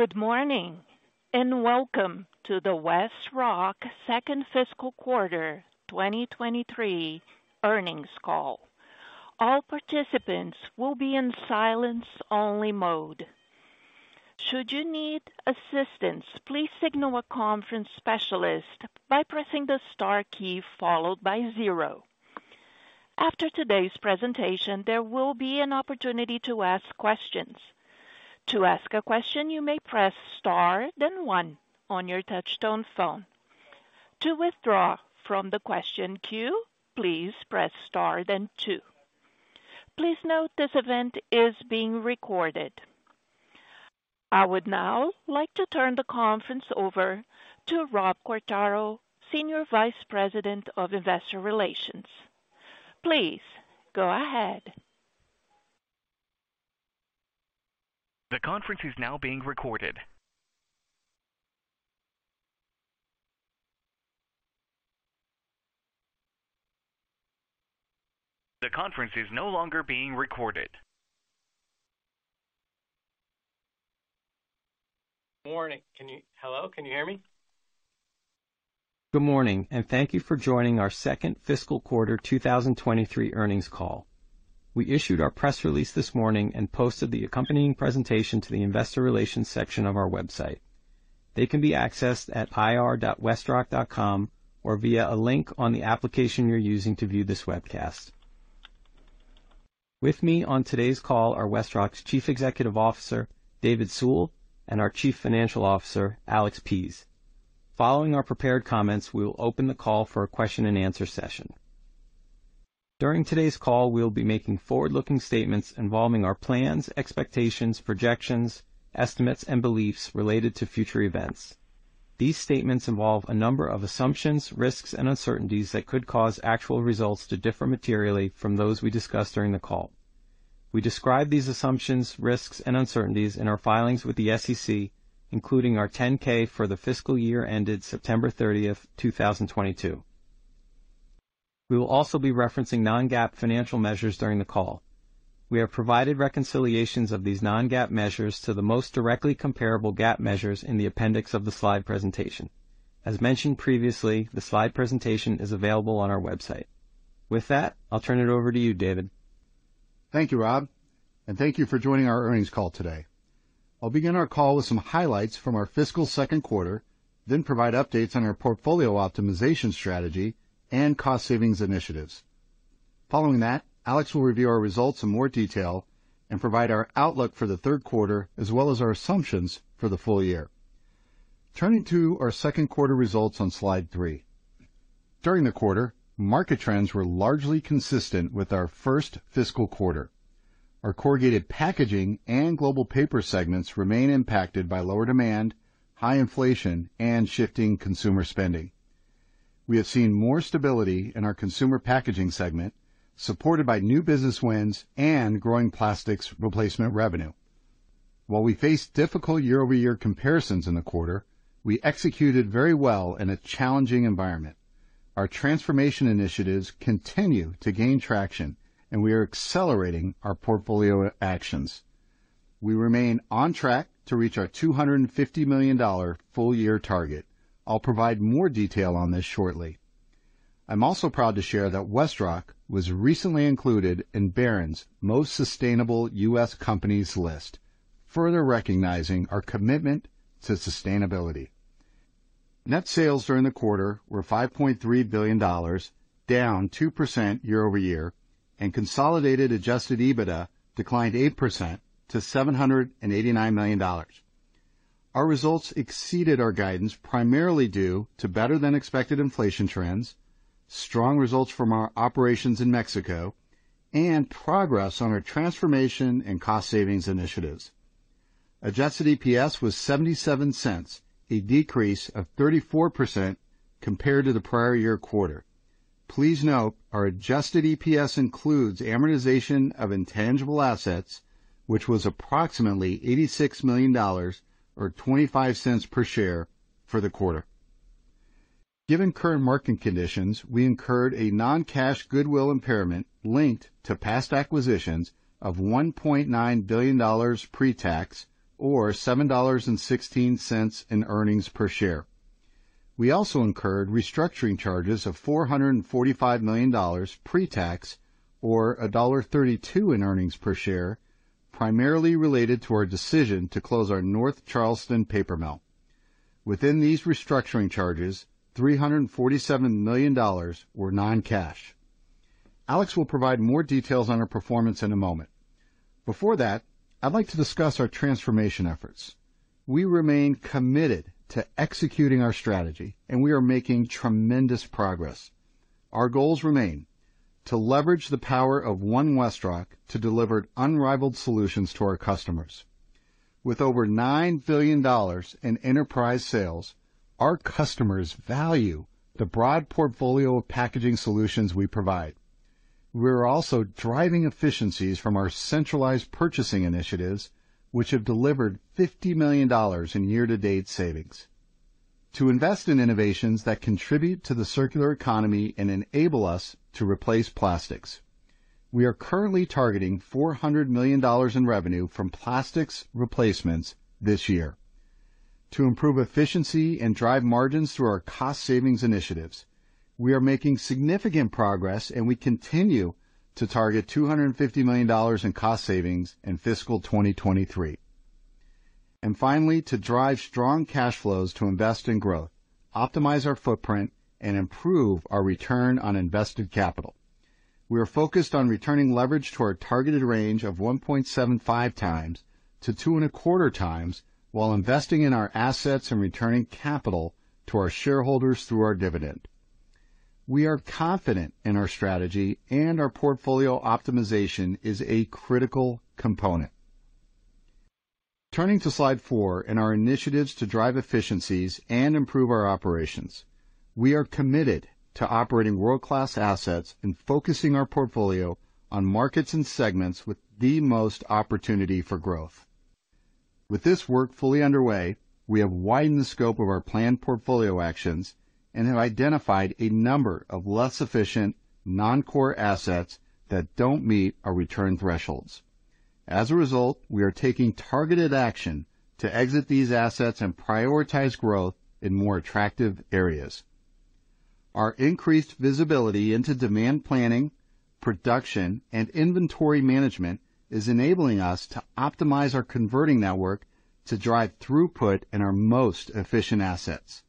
Good morning, welcome to the WestRock Second Fiscal Quarter 2023 Earnings Call. All participants will be in silence only mode. Should you need assistance, please signal a conference specialist by pressing the star key followed by zero. After today's presentation, there will be an opportunity to ask questions. To ask a question, you may press star then one on your touchtone phone. To withdraw from the question queue, please press star then two. Please note this event is being recorded. I would now like to turn the conference over to Robert Quartaro, Senior Vice President of Investor Relations. Please go ahead. The conference is now being recorded. The conference is no longer being recorded. Morning. Hello, can you hear me? Good morning. Thank you for joining our Second Fiscal Quarter 2023 Earnings Call. We issued our press release this morning and posted the accompanying presentation to the investor relations section of our website. They can be accessed at ir.westrock.com or via a link on the application you're using to view this webcast. With me on today's call are WestRock's Chief Executive Officer, David Sewell, and our Chief Financial Officer, Alex Pease. Following our prepared comments, we will open the call for a question-and-answer session. During today's call, we will be making forward-looking statements involving our plans, expectations, projections, estimates, and beliefs related to future events. These statements involve a number of assumptions, risks, and uncertainties that could cause actual results to differ materially from those we discuss during the call. We describe these assumptions, risks and uncertainties in our filings with the SEC, including our 10-K for the fiscal year ended 30th September 2022. We will also be referencing non-GAAP financial measures during the call. We have provided reconciliations of these non-GAAP measures to the most directly comparable GAAP measures in the appendix of the slide presentation. As mentioned previously, the slide presentation is available on our website. With that, I'll turn it over to you, David. Thank you, Rob. Thank you for joining our earnings call today. I'll begin our call with some highlights from our fiscal second quarter, then provide updates on our portfolio optimization strategy and cost savings initiatives. Following that, Alex will review our results in more detail and provide our outlook for the third quarter as well as our assumptions for the full year. Turning to our second quarter results on slide three. During the quarter, market trends were largely consistent with our first fiscal quarter. Our corrugated packaging and global paper segments remain impacted by lower demand, high inflation, and shifting consumer spending. We have seen more stability in our consumer packaging segment, supported by new business wins and growing plastics replacement revenue. While we face difficult year-over-year comparisons in the quarter, we executed very well in a challenging environment. Our transformation initiatives continue to gain traction, and we are accelerating our portfolio actions. We remain on track to reach our $250 million full-year target. I'll provide more detail on this shortly. I'm also proud to share that WestRock was recently included in Barron's Most Sustainable US Companies list, further recognizing our commitment to sustainability. Net sales during the quarter were $5.3 billion, down 2% year-over-year, and consolidated adjusted EBITDA declined 8% to $789 million. Our results exceeded our guidance primarily due to better than expected inflation trends, strong results from our operations in Mexico, and progress on our transformation and cost savings initiatives. Adjusted EPS was $0.77, a decrease of 34% compared to the prior year quarter. Please note our adjusted EPS includes amortization of intangible assets, which was approximately $86 million or $0.25 per share for the quarter. Given current market conditions, we incurred a non-cash goodwill impairment linked to past acquisitions of $1.9 billion pre-tax or $7.16 in earnings per share. We also incurred restructuring charges of $445 million pre-tax or $1.32 in earnings per share, primarily related to our decision to close our North Charleston paper mill. Within these restructuring charges, $347 million were non-cash. Alex will provide more details on our performance in a moment. Before that, I'd like to discuss our transformation efforts. We remain committed to executing our strategy, and we are making tremendous progress. Our goals remain to leverage the power of One WestRock to deliver unrivaled solutions to our customers. With over $9 billion in enterprise sales, our customers value the broad portfolio of packaging solutions we provide. We are also driving efficiencies from our centralized purchasing initiatives, which have delivered $50 million in year-to-date savings. To invest in innovations that contribute to the circular economy and enable us to replace plastics. We are currently targeting $400 million in revenue from plastics replacements this year. To improve efficiency and drive margins through our cost savings initiatives, we are making significant progress, and we continue to target $250 million in cost savings in fiscal 2023. Finally, to drive strong cash flows to invest in growth, optimize our footprint, and improve our return on invested capital. We are focused on returning leverage to our targeted range of 1.75-2.25 times while investing in our assets and returning capital to our shareholders through our dividend. We are confident in our strategy, and our portfolio optimization is a critical component. Turning to slide four in our initiatives to drive efficiencies and improve our operations. We are committed to operating world-class assets and focusing our portfolio on markets and segments with the most opportunity for growth. With this work fully underway, we have widened the scope of our planned portfolio actions and have identified a number of less efficient non-core assets that don't meet our return thresholds. As a result, we are taking targeted action to exit these assets and prioritize growth in more attractive areas. Our increased visibility into demand planning, production, and inventory management is enabling us to optimize our converting network to drive throughput in our most efficient assets.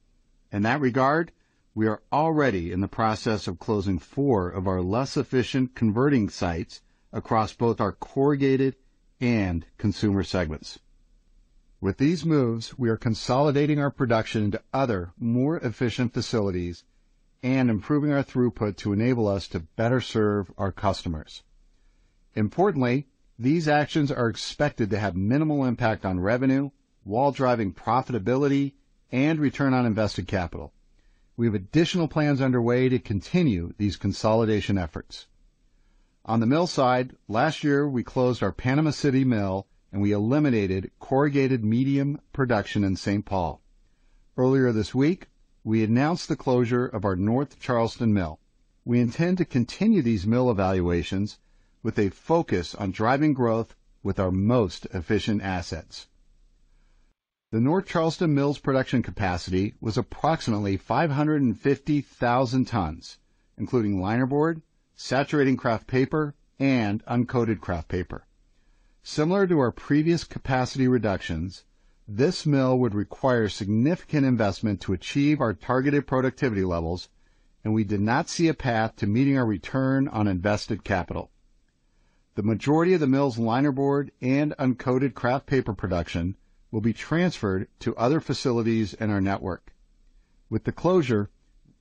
In that regard, we are already in the process of closing four of our less efficient converting sites across both our corrugated and consumer segments. With these moves, we are consolidating our production into other, more efficient facilities and improving our throughput to enable us to better serve our customers. Importantly, these actions are expected to have minimal impact on revenue while driving profitability and return on invested capital. We have additional plans underway to continue these consolidation efforts. On the mill side, last year we closed our Panama City mill, and we eliminated corrugated medium production in St. Paul. Earlier this week, we announced the closure of our North Charleston mill. We intend to continue these mill evaluations with a focus on driving growth with our most efficient assets. The North Charleston mill's production capacity was approximately 550,000 tons, including linerboard, saturating kraft paper, and uncoated kraft paper. Similar to our previous capacity reductions, this mill would require significant investment to achieve our targeted productivity levels, and we did not see a path to meeting our return on invested capital. The majority of the mill's linerboard and uncoated kraft paper production will be transferred to other facilities in our network. With the closure,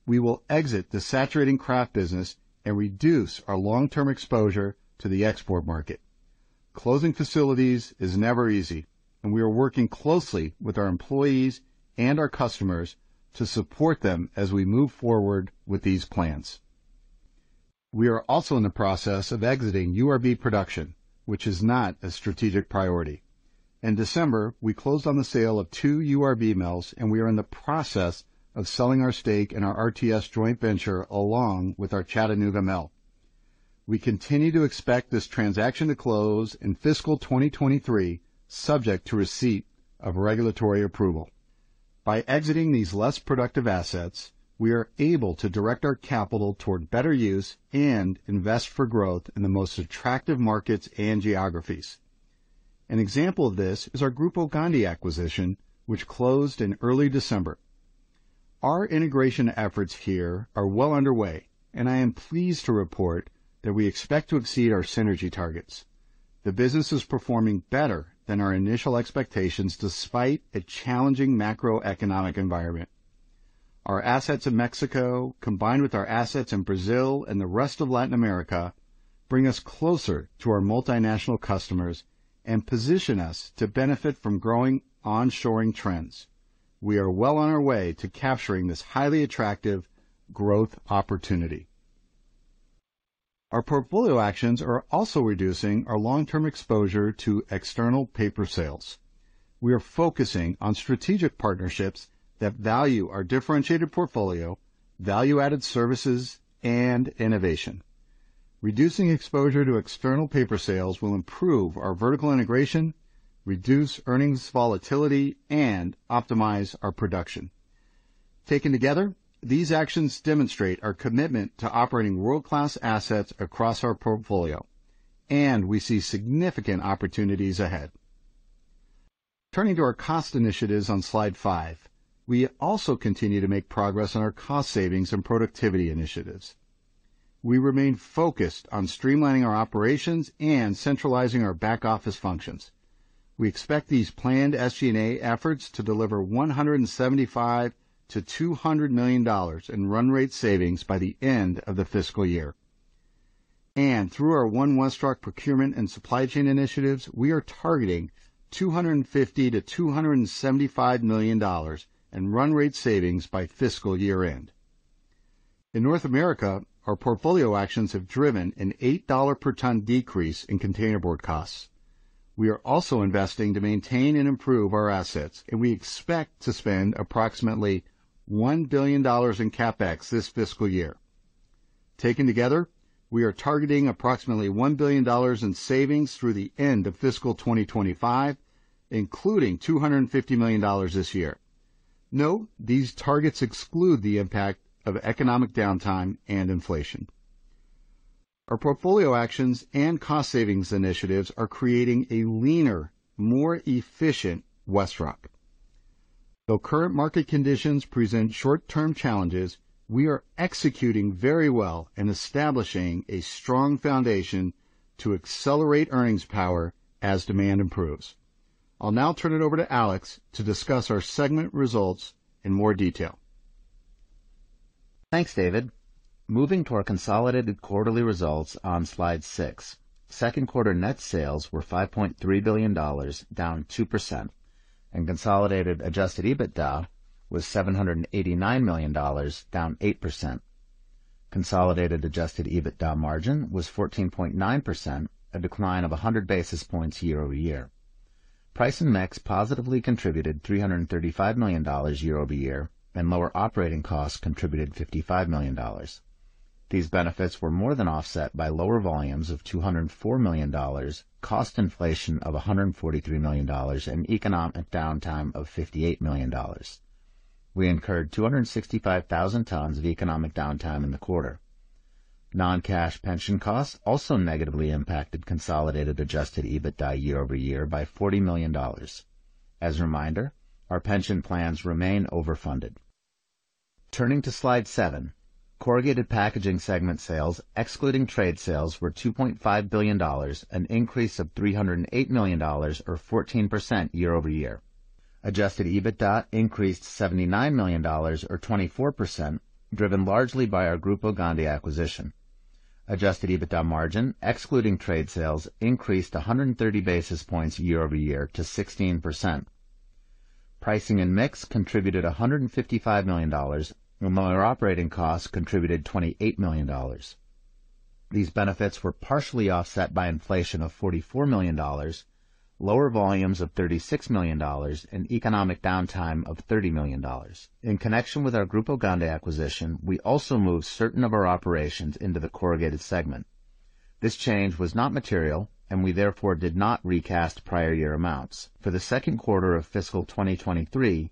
we will exit the saturating kraft business and reduce our long-term exposure to the export market. Closing facilities is never easy, and we are working closely with our employees and our customers to support them as we move forward with these plans. We are also in the process of exiting URB production, which is not a strategic priority. In December, we closed on the sale of 2 URB mills, and we are in the process of selling our stake in our RTS joint venture along with our Chattanooga mill. We continue to expect this transaction to close in fiscal 2023, subject to receipt of regulatory approval. By exiting these less productive assets, we are able to direct our capital toward better use and invest for growth in the most attractive markets and geographies. An example of this is our Grupo Gondi acquisition, which closed in early December. Our integration efforts here are well underway, and I am pleased to report that we expect to exceed our synergy targets. The business is performing better than our initial expectations despite a challenging macroeconomic environment. Our assets in Mexico, combined with our assets in Brazil and the rest of Latin America, bring us closer to our multinational customers and position us to benefit from growing onshoring trends. We are well on our way to capturing this highly attractive growth opportunity. Our portfolio actions are also reducing our long-term exposure to external paper sales. We are focusing on strategic partnerships that value our differentiated portfolio, value-added services, and innovation. Reducing exposure to external paper sales will improve our vertical integration, reduce earnings volatility, and optimize our production. Taken together, these actions demonstrate our commitment to operating world-class assets across our portfolio, and we see significant opportunities ahead. Turning to our cost initiatives on slide 5. We also continue to make progress on our cost savings and productivity initiatives. We remain focused on streamlining our operations and centralizing our back-office functions. We expect these planned SG&A efforts to deliver $175 million to $200 million in run rate savings by the end of the fiscal year. Through our One WestRock procurement and supply chain initiatives, we are targeting $250 million to $275 million in run rate savings by fiscal year-end. In North America, our portfolio actions have driven an $8 per ton decrease in containerboard costs. We are also investing to maintain and improve our assets, and we expect to spend approximately $1 billion in CapEx this fiscal year. Taking together, we are targeting approximately $1 billion in savings through the end of fiscal 2025, including $250 million this year. Note, these targets exclude the impact of economic downtime and inflation. Our portfolio actions and cost savings initiatives are creating a leaner, more efficient WestRock. Though current market conditions present short-term challenges, we are executing very well in establishing a strong foundation to accelerate earnings power as demand improves. I'll now turn it over to Alex to discuss our segment results in more detail. Thanks, David. Moving to our consolidated quarterly results on slide 6. Second quarter net sales were $5.3 billion, down 2%. Consolidated adjusted EBITDA was $789 million, down 8%. Consolidated adjusted EBITDA margin was 14.9%, a decline of 100 basis points year-over-year. Price and mix positively contributed $335 million year-over-year, and lower operating costs contributed $55 million. These benefits were more than offset by lower volumes of $204 million, cost inflation of $143 million, and economic downtime of $58 million. We incurred 265,000 tons of economic downtime in the quarter. Non-cash pension costs also negatively impacted consolidated adjusted EBITDA year-over-year by $40 million. As a reminder, our pension plans remain overfunded. Turning to slide seven. Corrugated packaging segment sales, excluding trade sales, were $2.5 billion, an increase of $308 million, or 14% year-over-year. Adjusted EBITDA increased $79 million, or 24%, driven largely by our Grupo Gondi acquisition. Adjusted EBITDA margin, excluding trade sales, increased 130 basis points year-over-year to 16%. Pricing and mix contributed $155 million, and lower operating costs contributed $28 million. These benefits were partially offset by inflation of $44 million, lower volumes of $36 million, and economic downtime of $30 million. In connection with our Grupo Gondi acquisition, we also moved certain of our operations into the corrugated segment. This change was not material, and we therefore did not recast prior year amounts. For the second quarter of fiscal 2023,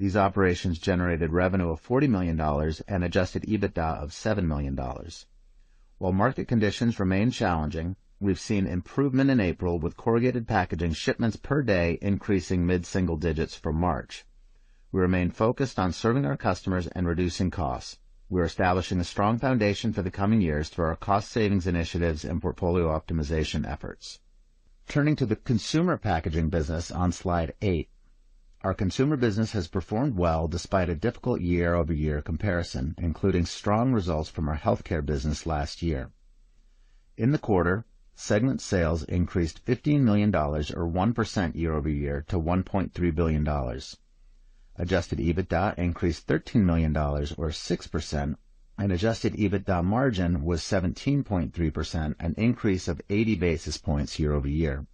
these operations generated revenue of $40 million and adjusted EBITDA of $7 million. While market conditions remain challenging, we've seen improvement in April with corrugated packaging shipments per day increasing mid-single digits from March. We remain focused on serving our customers and reducing costs. We're establishing a strong foundation for the coming years through our cost savings initiatives and portfolio optimization efforts. Turning to the consumer packaging business on slide eight. Our consumer business has performed well despite a difficult year-over-year comparison, including strong results from our healthcare business last year. In the quarter, segment sales increased $15 million, or 1% year-over-year to $1.3 billion. Adjusted EBITDA increased $13 million or 6%, and adjusted EBITDA margin was 17.3%, an increase of 80 basis points year-over-year.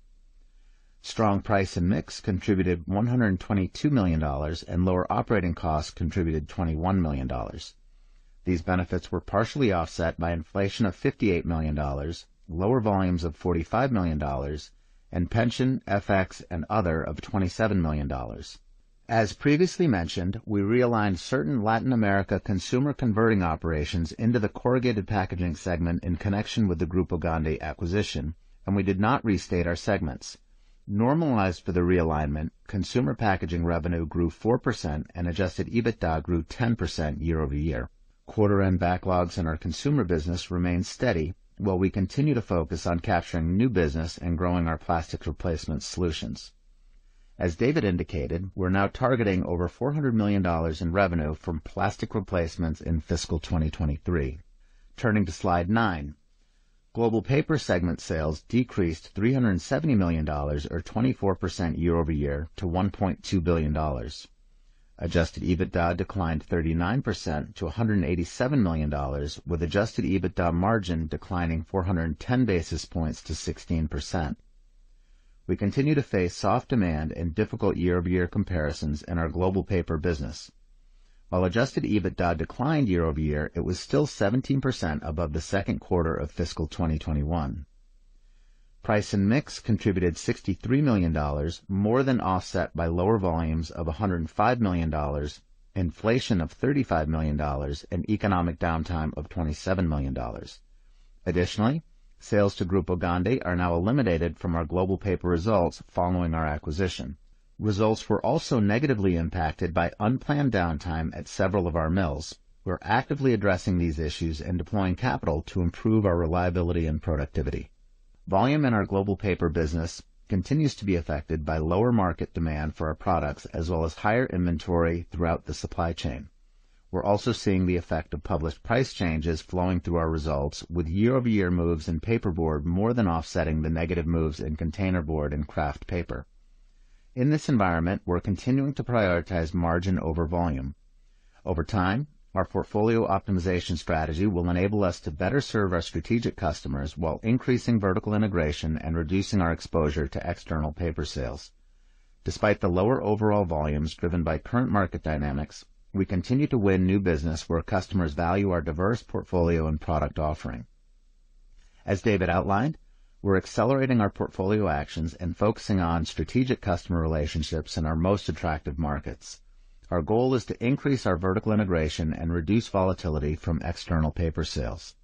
Strong price and mix contributed $122 million, and lower operating costs contributed $21 million. These benefits were partially offset by inflation of $58 million, lower volumes of $45 million, and pension, FX, and other of $27 million. As previously mentioned, we realigned certain Latin America consumer converting operations into the corrugated packaging segment in connection with the Grupo Gondi acquisition, and we did not restate our segments. Normalized for the realignment, consumer packaging revenue grew 4% and adjusted EBITDA grew 10% year-over-year. Quarter end backlogs in our consumer business remained steady, while we continue to focus on capturing new business and growing our plastics replacement solutions. As David indicated, we're now targeting over $400 million in revenue from plastic replacements in fiscal 2023. Turning to slide nine. Global paper segment sales decreased $370 million or 24% year-over-year to $1.2 billion. Adjusted EBITDA declined 39% to $187 million, with Adjusted EBITDA margin declining 410 basis points to 16%. We continue to face soft demand and difficult year-over-year comparisons in our global paper business. While Adjusted EBITDA declined year-over-year, it was still 17% above the second quarter of fiscal 2021. Price and mix contributed $63 million, more than offset by lower volumes of $105 million, inflation of $35 million, and economic downtime of $27 million. Additionally, sales to Grupo Gondi are now eliminated from our global paper results following our acquisition. Results were also negatively impacted by unplanned downtime at several of our mills. We're actively addressing these issues and deploying capital to improve our reliability and productivity. Volume in our global paper business continues to be affected by lower market demand for our products, as well as higher inventory throughout the supply chain. We're also seeing the effect of published price changes flowing through our results, with year-over-year moves in paperboard more than offsetting the negative moves in containerboard and kraft paper. In this environment, we're continuing to prioritize margin over volume. Over time, our portfolio optimization strategy will enable us to better serve our strategic customers while increasing vertical integration and reducing our exposure to external paper sales. Despite the lower overall volumes driven by current market dynamics, we continue to win new business where customers value our diverse portfolio and product offering. As David outlined, we're accelerating our portfolio actions and focusing on strategic customer relationships in our most attractive markets. Our goal is to increase our vertical integration and reduce volatility from external paper sales.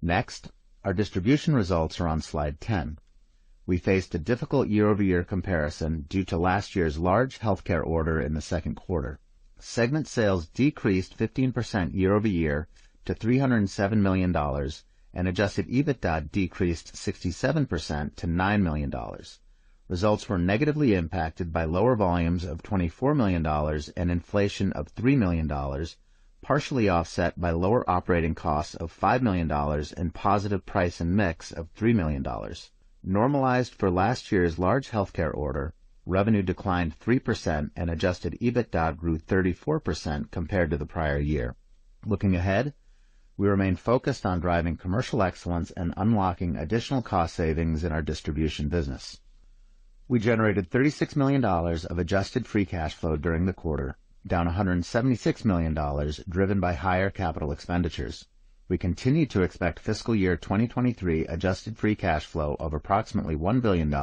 Next, our distribution results are on slide 10. We faced a difficult year-over-year comparison due to last year's large healthcare order in the second quarter. Segment sales decreased 15% year-over-year to $307 million, and adjusted EBITDA decreased 67% to $9 million. Results were negatively impacted by lower volumes of $24 million and inflation of $3 million, partially offset by lower operating costs of $5 million and positive price and mix of $3 million. Normalized for last year's large healthcare order, revenue declined 3% and adjusted EBITDA grew 34% compared to the prior year. Looking ahead, we remain focused on driving commercial excellence and unlocking additional cost savings in our distribution business. We generated $36 million of adjusted free cash flow during the quarter, down $176 million, driven by higher capital expenditures. We continue to expect fiscal year 2023 adjusted free cash flow of approximately $1 billion,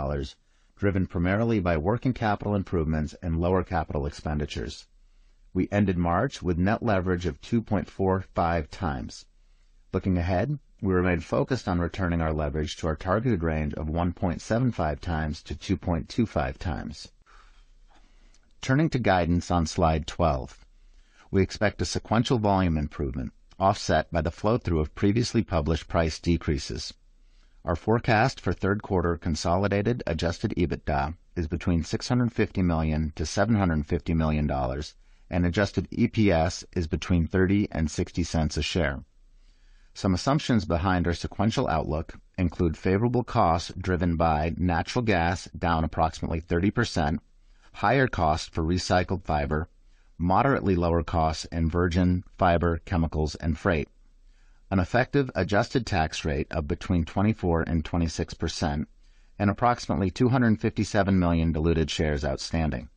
driven primarily by working capital improvements and lower capital expenditures. We ended March with net leverage of 2.45 times. Looking ahead, we remain focused on returning our leverage to our targeted range of 1.75 times-2.25 times. Turning to guidance on slide 12. We expect a sequential volume improvement offset by the flow-through of previously published price decreases. Our forecast for third quarter consolidated adjusted EBITDA is between $650 million to $750 million, and adjusted EPS is between $0.30-$0.60 a share. Some assumptions behind our sequential outlook include favorable costs driven by natural gas down approximately 30%, higher costs for recycled fiber, moderately lower costs in virgin fiber, chemicals and freight, an effective adjusted tax rate of between 24%-26%, and approximately 257 million diluted shares outstanding.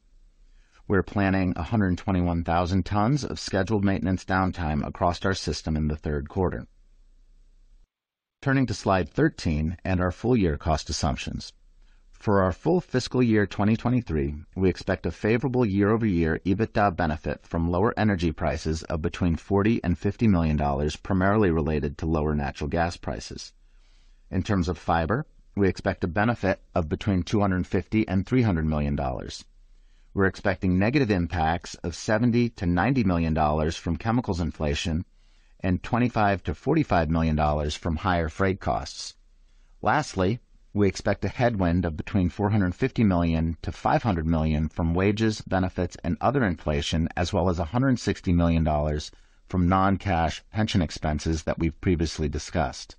We're planning 121,000 tons of scheduled maintenance downtime across our system in the third quarter. Turning to slide 13 and our full year cost assumptions. For our full fiscal year 2023, we expect a favorable year-over-year EBITDA benefit from lower energy prices of between $40 million to $50 million, primarily related to lower natural gas prices. In terms of fiber, we expect a benefit of between $250 million and $300 million. We're expecting negative impacts of $70 million to $90 million from chemicals inflation and $25 million to $45 million from higher freight costs. Lastly, we expect a headwind of between $450 million to $500 million from wages, benefits and other inflation, as well as $160 million from non-cash pension expenses that we've previously discussed.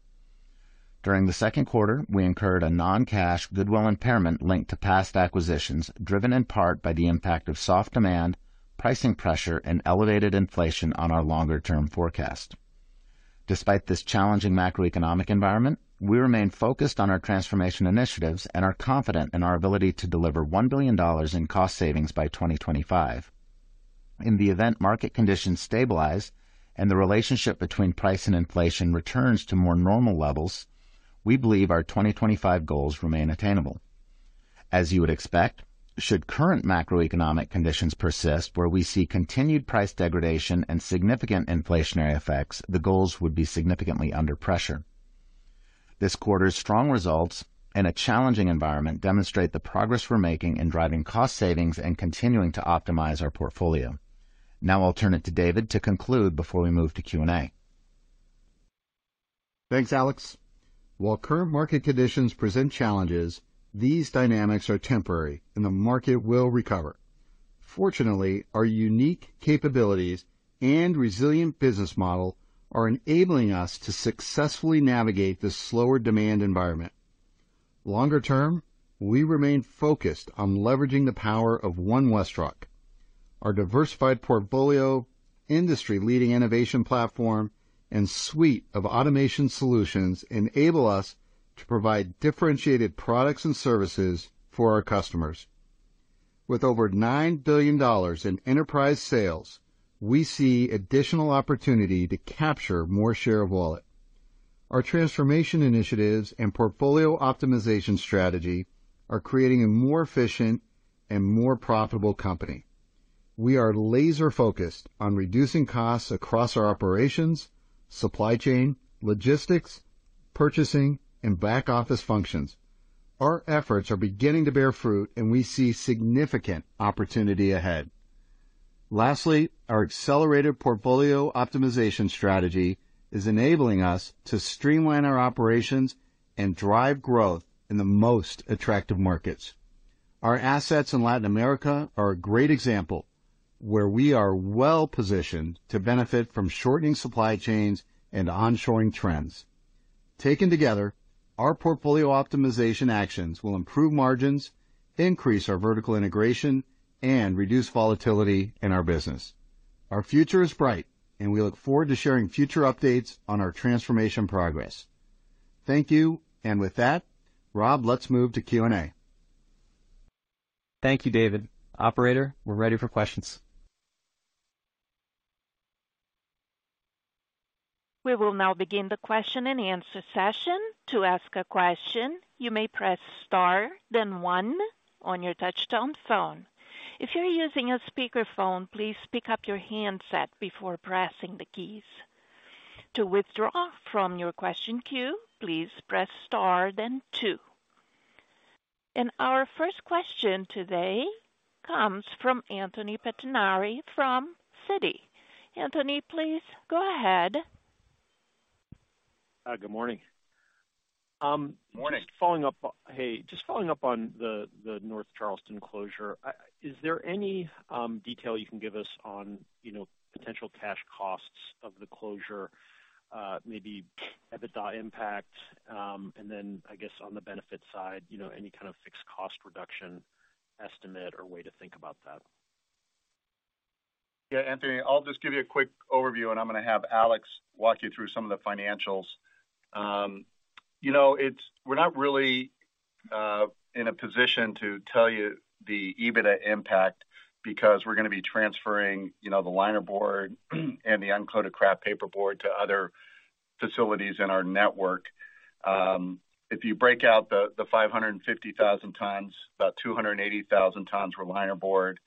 During the second quarter, we incurred a non-cash goodwill impairment linked to past acquisitions, driven in part by the impact of soft demand, pricing pressure, and elevated inflation on our longer term forecast. Despite this challenging macroeconomic environment, we remain focused on our transformation initiatives and are confident in our ability to deliver $1 billion in cost savings by 2025. In the event market conditions stabilize and the relationship between price and inflation returns to more normal levels, we believe our 2025 goals remain attainable. As you would expect, should current macroeconomic conditions persist, where we see continued price degradation and significant inflationary effects, the goals would be significantly under pressure. This quarter's strong results in a challenging environment demonstrate the progress we're making in driving cost savings and continuing to optimize our portfolio. Now I'll turn it to David to conclude before we move to Q&A. Thanks, Alex. While current market conditions present challenges, these dynamics are temporary and the market will recover. Fortunately, our unique capabilities and resilient business model are enabling us to successfully navigate this slower demand environment. Longer term, we remain focused on leveraging the power of One WestRock. Our diversified portfolio, industry-leading innovation platform, and suite of automation solutions enable us to provide differentiated products and services for our customers. With over $9 billion in enterprise sales, we see additional opportunity to capture more share of wallet. Our transformation initiatives and portfolio optimization strategy are creating a more efficient and more profitable company. We are laser-focused on reducing costs across our operations, supply chain, logistics, purchasing, and back office functions. Our efforts are beginning to bear fruit and we see significant opportunity ahead. Lastly, our accelerated portfolio optimization strategy is enabling us to streamline our operations and drive growth in the most attractive markets. Our assets in Latin America are a great example where we are well positioned to benefit from shortening supply chains and onshoring trends. Taken together, our portfolio optimization actions will improve margins, increase our vertical integration, and reduce volatility in our business. Our future is bright, and we look forward to sharing future updates on our transformation progress. Thank you. With that, Rob, let's move to Q&A. Thank you, David. Operator, we're ready for questions. We will now begin the question-and-answer session. To ask a question, you may press star then one on your touchtone phone. If you're using a speakerphone, please pick up your handset before pressing the keys. To withdraw from your question queue, please press star then two. Our first question today comes from Anthony Pettinari from Citi. Anthony, please go ahead. Good morning. Morning. Hey, just following up on the North Charleston closure. Is there any detail you can give us on, you know, potential cash costs of the closure, maybe EBITDA impact, and then I guess on the benefit side, you know, any kind of fixed cost reduction estimate or way to think about that? Yeah, Anthony, I'll just give you a quick overview, and I'm gonna have Alex walk you through some of the financials. You know, we're not really in a position to tell you the EBITDA impact because we're gonna be transferring, you know, the linerboard and the uncoated kraft paperboard to other facilities in our network. If you break out the 550,000 tons, about 280,000 tons were linerboard.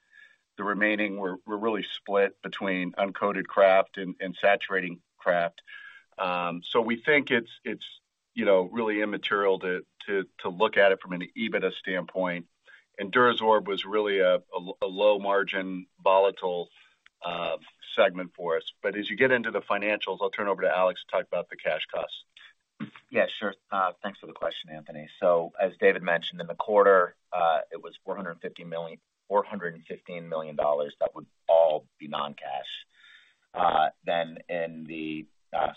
The remaining were really split between uncoated kraft and saturating kraft. We think it's, you know, really immaterial to look at it from an EBITDA standpoint. DuraSorb was really a low margin volatile segment for us. As you get into the financials, I'll turn over to Alex to talk about the cash costs. Yeah, sure. Thanks for the question, Anthony. As David mentioned, in the quarter, it was $415 million, that would all be non-cash. Then in the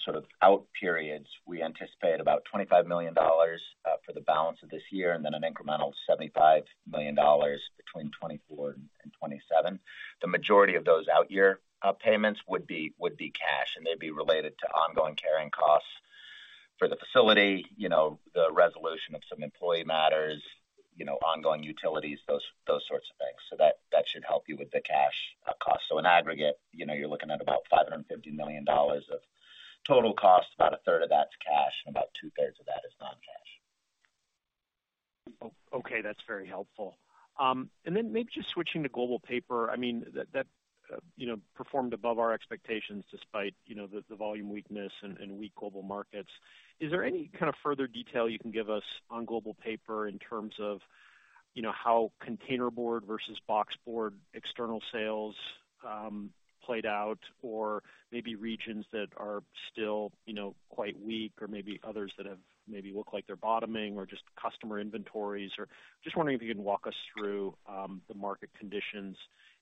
sort of out periods, we anticipate about $25 million for the balance of this year, and then an incremental $75 million between 2024 and 2027. The majority of those out year payments would be cash, and they'd be related to ongoing carrying costs for the facility, you know, the resolution of some employee matters, you know, ongoing utilities, those sorts of things. That should help you with the cash cost. In aggregate, you know, you're looking at about $550 million of total cost. About a third of that's cash, and about two-thirds of that is non-cash. Okay, that's very helpful. Then maybe just switching to Global Paper. I mean, that, you know, performed above our expectations despite, you know, the volume weakness and weak global markets. Is there any kind of further detail you can give us on Global Paper in terms of, you know, how containerboard versus boxboard external sales played out or maybe regions that are still, you know, quite weak or maybe others that have maybe look like they're bottoming or just customer inventories or wondering if you can walk us through the market conditions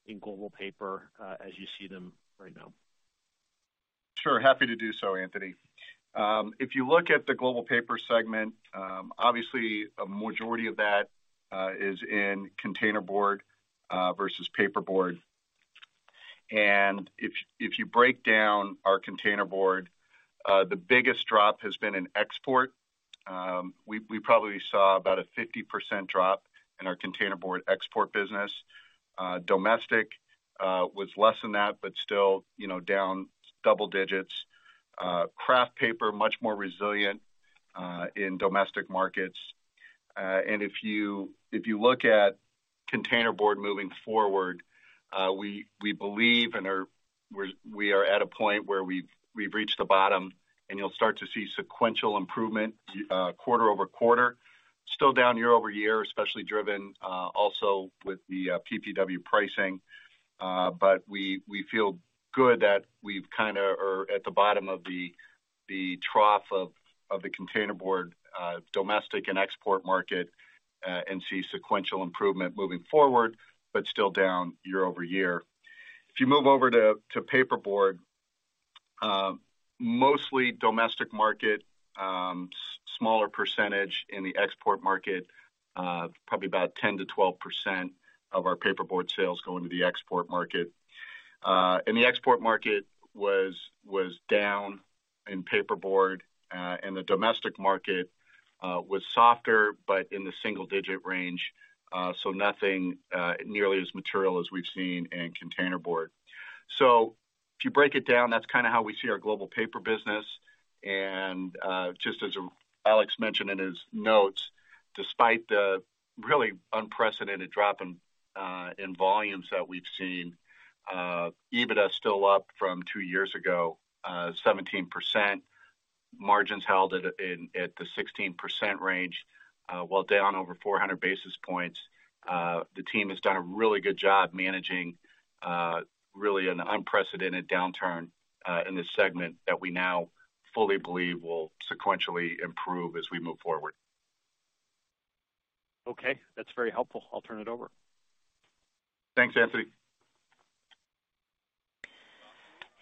in Global Paper as you see them right now? Sure. Happy to do so, Anthony. If you look at the Global Paper segment, obviously a majority of that is in containerboard versus paperboard. If you break down our containerboard, the biggest drop has been in export. We probably saw about a 50% drop in our containerboard export business. Domestic was less than that, but still, you know, down double digits. Kraft paper, much more resilient in domestic markets. If you look at containerboard moving forward, we believe and are at a point where we've reached the bottom, and you'll start to see sequential improvement quarter-over-quarter. Still down year-over-year, especially driven also with the PPW pricing. We feel good that we've kinda are at the bottom of the trough of the containerboard domestic and export market, see sequential improvement moving forward, but still down year-over-year. You move over to paperboard, mostly domestic market, smaller percentage in the export market, probably about 10%-12% of our paperboard sales go into the export market. The export market was down in paperboard, the domestic market was softer but in the single-digit range, nothing nearly as material as we've seen in containerboard. If you break it down, that's kinda how we see our Global Paper business. Just as Alex mentioned in his notes, despite the really unprecedented drop in volumes that we've seen, EBITDA is still up from two years ago, 17%. Margins held at the 16% range, while down over 400 basis points. The team has done a really good job managing really an unprecedented downturn in this segment that we now fully believe will sequentially improve as we move forward. Okay. That's very helpful. I'll turn it over. Thanks, Anthony.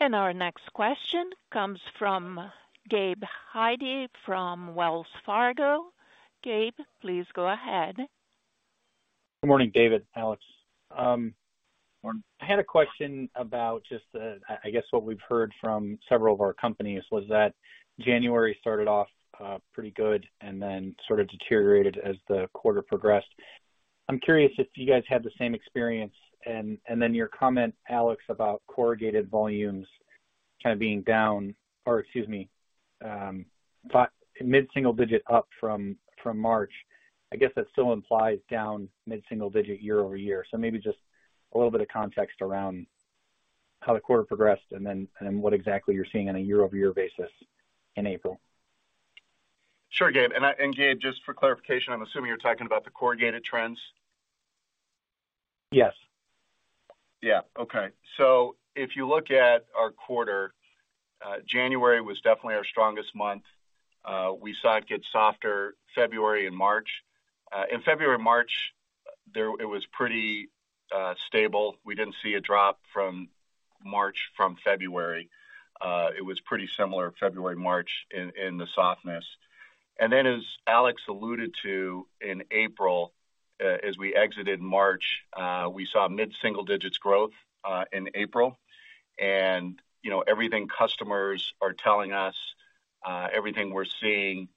Our next question comes from Gabe Hajde from Wells Fargo. Gabe, please go ahead. Good morning, David, Alex. Morning. I had a question about just I guess what we've heard from several of our companies was that January started off pretty good and then sort of deteriorated as the quarter progressed. I'm curious if you guys had the same experience and then your comment, Alex, about corrugated volumes kind of being down, or excuse me, mid-single digit up from March. I guess that still implies down mid-single digit year-over-year. Maybe just a little bit of context around how the quarter progressed and then, and what exactly you're seeing on a year-over-year basis in April? Sure, Gabe. Gabe, just for clarification, I'm assuming you're talking about the corrugated trends. Yes. Yeah. Okay. If you look at our quarter, January was definitely our strongest month. We saw it get softer February and March. In February, March, it was pretty stable. We didn't see a drop from March from February. It was pretty similar February, March in the softness. Then, as Alex alluded to in April, as we exited March, we saw mid-single digits growth in April. You know, everything customers are telling us, everything we're seeing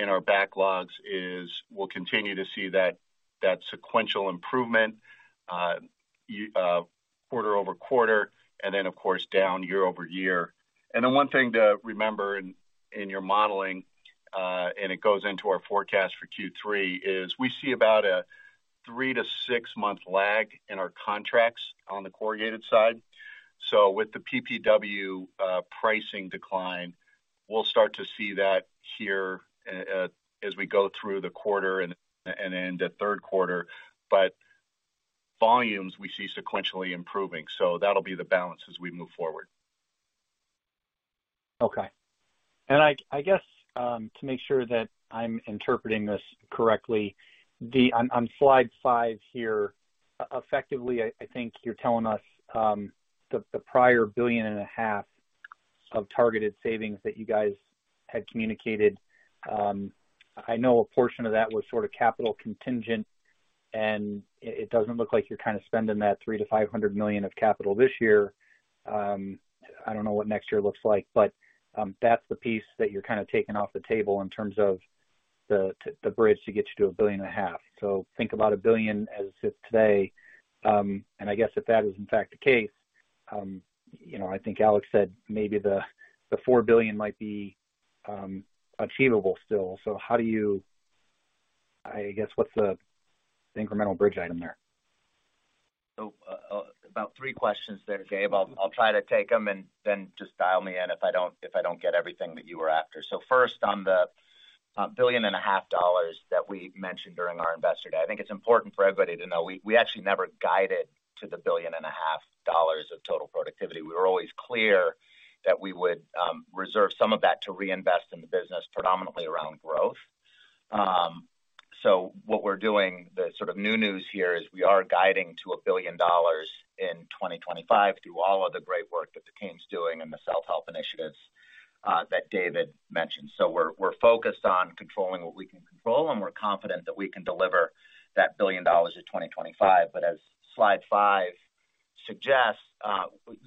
in our backlogs is we'll continue to see that sequential improvement quarter-over-quarter, then, of course, down year-over-year. Then one thing to remember in your modeling, and it goes into our forecast for Q3, is we see about a three to six month lag in our contracts on the corrugated side. With the PPW pricing decline, we'll start to see that here as we go through the quarter and into third quarter. Volumes we see sequentially improving. That'll be the balance as we move forward. Okay. I guess, to make sure that I'm interpreting this correctly, on slide 5 here, effectively, I think you're telling us, the prior billion and a half of targeted savings that you guys had communicated, I know a portion of that was sort of capital contingent, and it doesn't look like you're kind of spending that $300 million to $500 million of capital this year. I don't know what next year looks like, but that's the piece that you're kind of taking off the table in terms of the bridge to get you to a billion and a half. Think about $1 billion as if today. I guess if that is in fact the case, you know, I think Alex said maybe the $4 billion might be achievable still. I guess what's the incremental bridge item there? About 3 questions there, Gabe. I'll try to take them and then just dial me in if I don't get everything that you were after. First, on the billion and a half dollars that we mentioned during our Investor Day, I think it's important for everybody to know we actually never guided to the billion and a half dollars of total productivity. We were always clear that we would reserve some of that to reinvest in the business, predominantly around growth. What we're doing, the sort of new news here is we are guiding to $1 billion in 2025 through all of the great work that the team's doing and the self-help initiatives that David mentioned. We're focused on controlling what we can control, and we're confident that we can deliver that $1 billion in 2025. As slide five suggests, you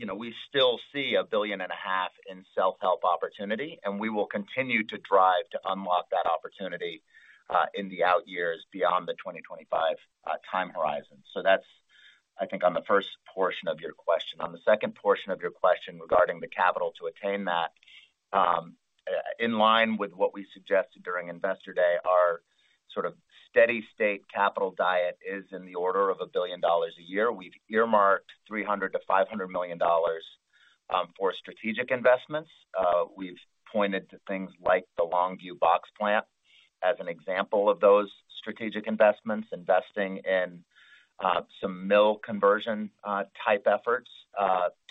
know, we still see a billion and a half in self-help opportunity, and we will continue to drive to unlock that opportunity in the out years beyond the 2025 time horizon. That's, I think, on the first portion of your question. On the second portion of your question regarding the capital to attain that, in line with what we suggested during Investor Day, our sort of steady state capital diet is in the order of $1 billion a year. We've earmarked $300 million to $500 million for strategic investments. We've pointed to things like the Longview box plant as an example of those strategic investments. Investing in some mill conversion type efforts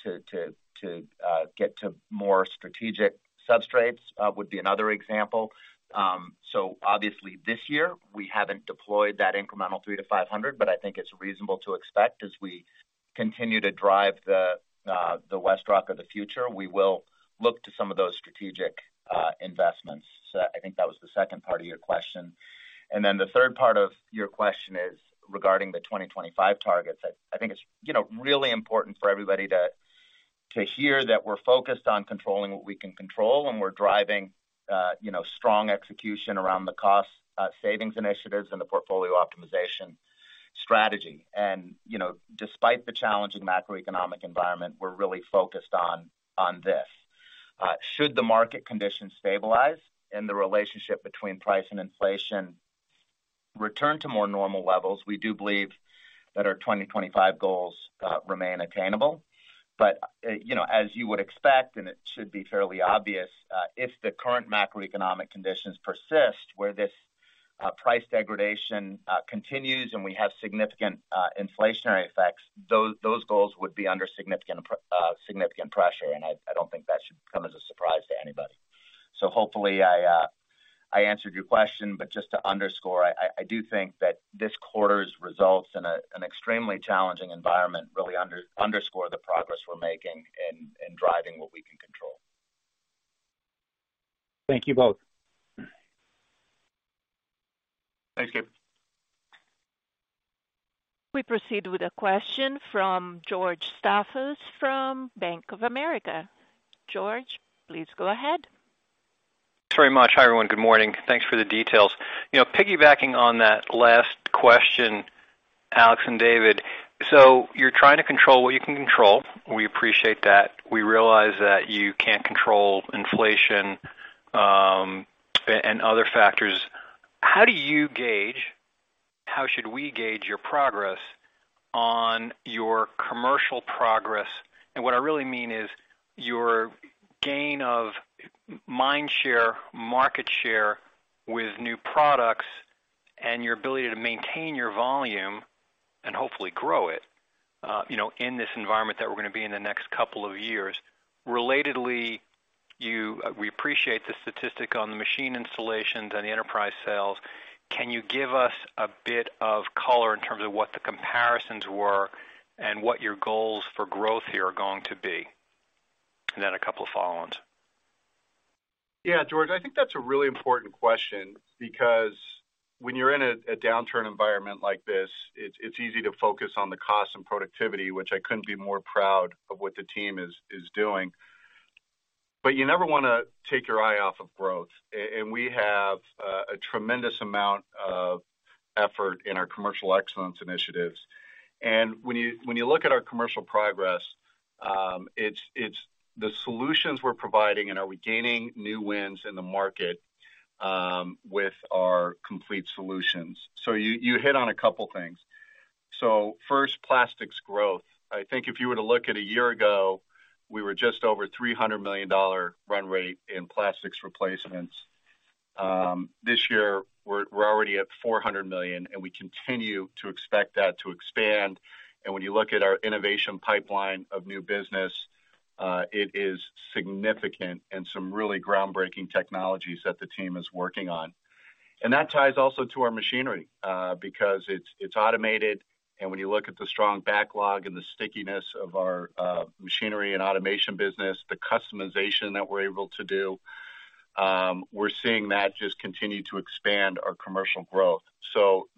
to get to more strategic substrates would be another example. Obviously this year, we haven't deployed that incremental $300-$500 million, but I think it's reasonable to expect as we continue to drive the WestRock of the future, we will look to some of those strategic investments. I think that was the second part of your question. The third part of your question is regarding the 2025 targets. I think it's, you know, really important for everybody to hear that we're focused on controlling what we can control, and we're driving, you know, strong execution around the cost savings initiatives and the portfolio optimization strategy. You know, despite the challenging macroeconomic environment, we're really focused on this. Should the market conditions stabilize and the relationship between price and inflation return to more normal levels, we do believe that our 2025 goals remain attainable. You know, as you would expect, and it should be fairly obvious, if the current macroeconomic conditions persist, where this price degradation continues and we have significant inflationary effects, those goals would be under significant pressure. I don't think that should come as a surprise to anybody. Hopefully I just to underscore, I do think that this quarter's results in an extremely challenging environment really underscore the progress we're making in driving what we can control. Thank you both. Thanks, Gabe. We proceed with a question from George Staphos from Bank of America. George, please go ahead. Thanks very much. Hi, everyone. Good morning. Thanks for the details. You know, piggybacking on that last question, Alex and David. You're trying to control what you can control. We appreciate that. We realize that you can't control inflation, and other factors. How do you gauge, how should we gauge your progress on your commercial progress? What I really mean is your gain of mind share, market share with new products and your ability to maintain your volume and hopefully grow it, you know, in this environment that we're gonna be in the next couple of years. Relatedly, we appreciate the statistic on the machine installations and the enterprise sales. Can you give us a bit of color in terms of what the comparisons were and what your goals for growth here are going to be? A couple of follow-ons. Yeah, George, I think that's a really important question because when you're in a downturn environment like this, it's easy to focus on the cost and productivity, which I couldn't be more proud of what the team is doing. You never wanna take your eye off of growth. We have a tremendous amount of effort in our commercial excellence initiatives. When you look at our commercial progress, it's the solutions we're providing and are we gaining new wins in the market with our complete solutions. You hit on a couple things. First, plastics growth. I think if you were to look at a year ago, we were just over a $300 million run rate in plastics replacements. This year, we're already at $400 million, and we continue to expect that to expand. When you look at our innovation pipeline of new business, it is significant and some really groundbreaking technologies that the team is working on. That ties also to our machinery, because it's automated. When you look at the strong backlog and the stickiness of our machinery and automation business, the customization that we're able to do, we're seeing that just continue to expand our commercial growth.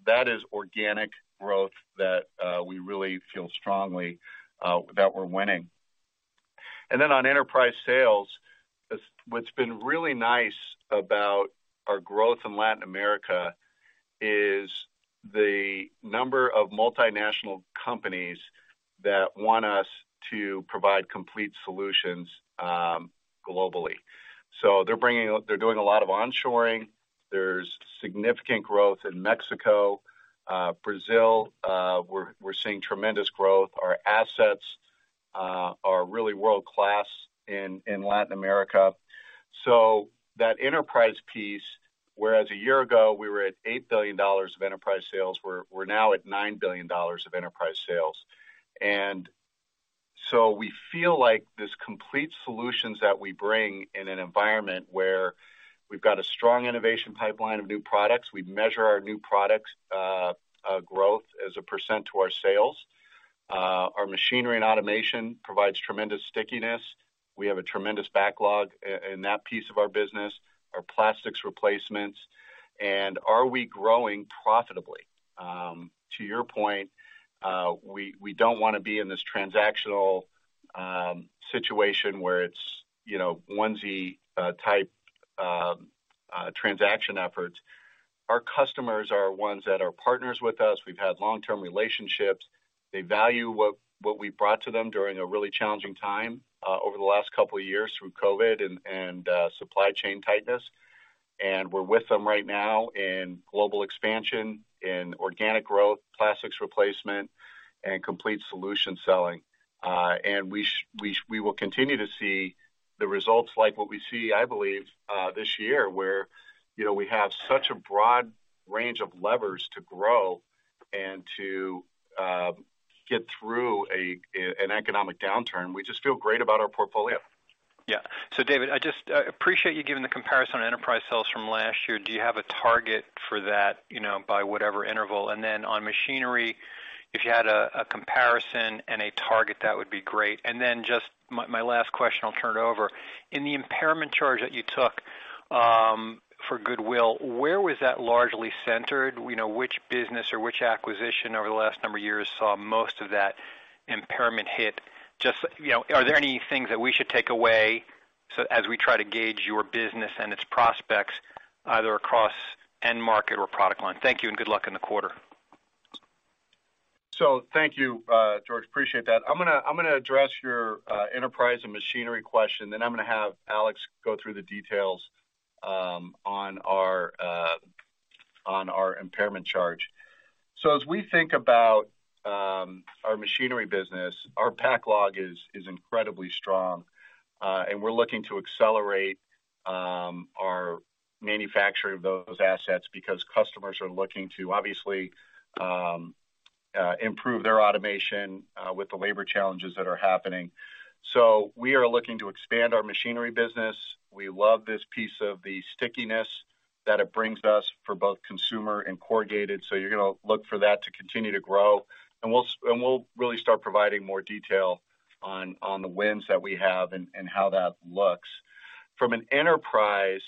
That is organic growth that we really feel strongly that we're winning. On enterprise sales, what's been really nice about our growth in Latin America is the number of multinational companies that want us to provide complete solutions globally. They're doing a lot of onshoring. There's significant growth in Mexico, Brazil, we're seeing tremendous growth. Our assets are really world-class in Latin America. That enterprise piece, whereas a year ago, we were at $8 billion of enterprise sales, we're now at $9 billion of enterprise sales. We feel like this complete solutions that we bring in an environment where we've got a strong innovation pipeline of new products. We measure our new products growth as a % to our sales. Our machinery and automation provides tremendous stickiness. We have a tremendous backlog in that piece of our business, our plastics replacements. Are we growing profitably? To your point, we don't wanna be in this transactional situation where it's, you know, onesie type transaction efforts. Our customers are ones that are partners with us. We've had long-term relationships. They value what we brought to them during a really challenging time over the last couple of years through COVID and supply chain tightness. We're with them right now in global expansion, in organic growth, plastics replacement, and complete solution selling. We will continue to see the results like what we see, I believe, this year, where, you know, we have such a broad range of levers to grow and to get through an economic downturn. We just feel great about our portfolio. Yeah. David, I just appreciate you giving the comparison on enterprise sales from last year. Do you have a target for that, you know, by whatever interval? On machinery, if you had a comparison and a target, that would be great. Just my last question, I'll turn it over. In the impairment charge that you took for goodwill, where was that largely centered? You know, which business or which acquisition over the last number of years saw most of that impairment hit? Just, you know, are there any things that we should take away as we try to gauge your business and its prospects either across end market or product line? Thank you, and good luck in the quarter. Thank you, George. Appreciate that. I'm gonna address your enterprise and machinery question, then I'm gonna have Alex go through the details on our impairment charge. As we think about our machinery business, our pack log is incredibly strong, and we're looking to accelerate our manufacture of those assets because customers are looking to obviously improve their automation with the labor challenges that are happening. We are looking to expand our machinery business. We love this piece of the stickiness that it brings us for both consumer and corrugated. You're going to look for that to continue to grow, and we'll really start providing more detail on the wins that we have and how that looks. From an enterprise,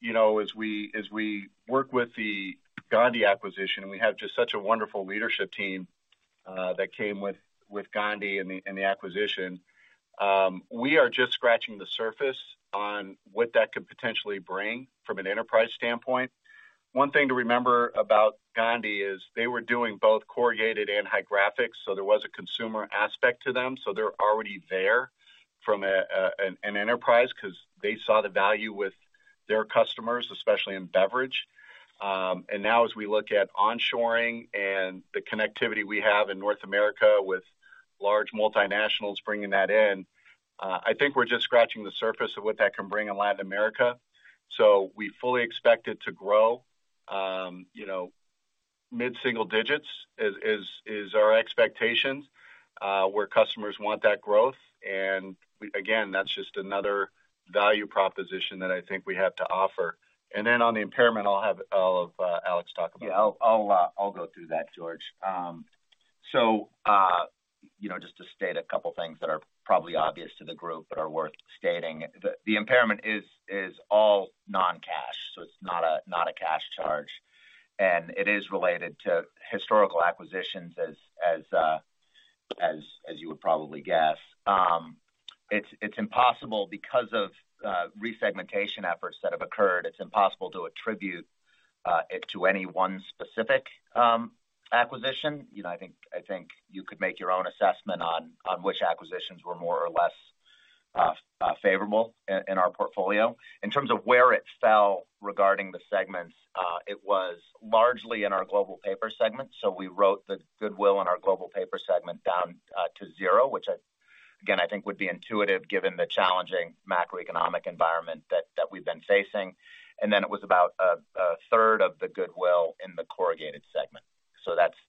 you know, as we work with the Grupo Gondi acquisition, we have just such a wonderful leadership team that came with Grupo Gondi and the acquisition. We are just scratching the surface on what that could potentially bring from an enterprise standpoint. One thing to remember about Grupo Gondi is they were doing both corrugated and high graphics, so there was a consumer aspect to them. They're already there from an enterprise because they saw the value with their customers, especially in beverage. Now as we look at onshoring and the connectivity we have in North America with large multinationals bringing that in, I think we're just scratching the surface of what that can bring in Latin America. We fully expect it to grow, you know, mid-single digits is our expectations, where customers want that growth. Again, that's just another value proposition that I think we have to offer. Then on the impairment, I'll have Alex talk about that. Yeah. I'll go through that, George. You know, just to state a couple of things that are probably obvious to the group, but are worth stating. The impairment is all non-cash, so it's not a cash charge, and it is related to historical acquisitions as you would probably guess. It's impossible because of resegmentation efforts that have occurred. It's impossible to attribute it to any one specific acquisition. You know, I think you could make your own assessment on which acquisitions were more or less favorable in our portfolio. In terms of where it fell regarding the segments, it was largely in our global paper segment. We wrote the goodwill in our global paper segment down to zero, which, again, I think would be intuitive given the challenging macroeconomic environment that we've been facing. Then it was about a third of the goodwill in the corrugated segment.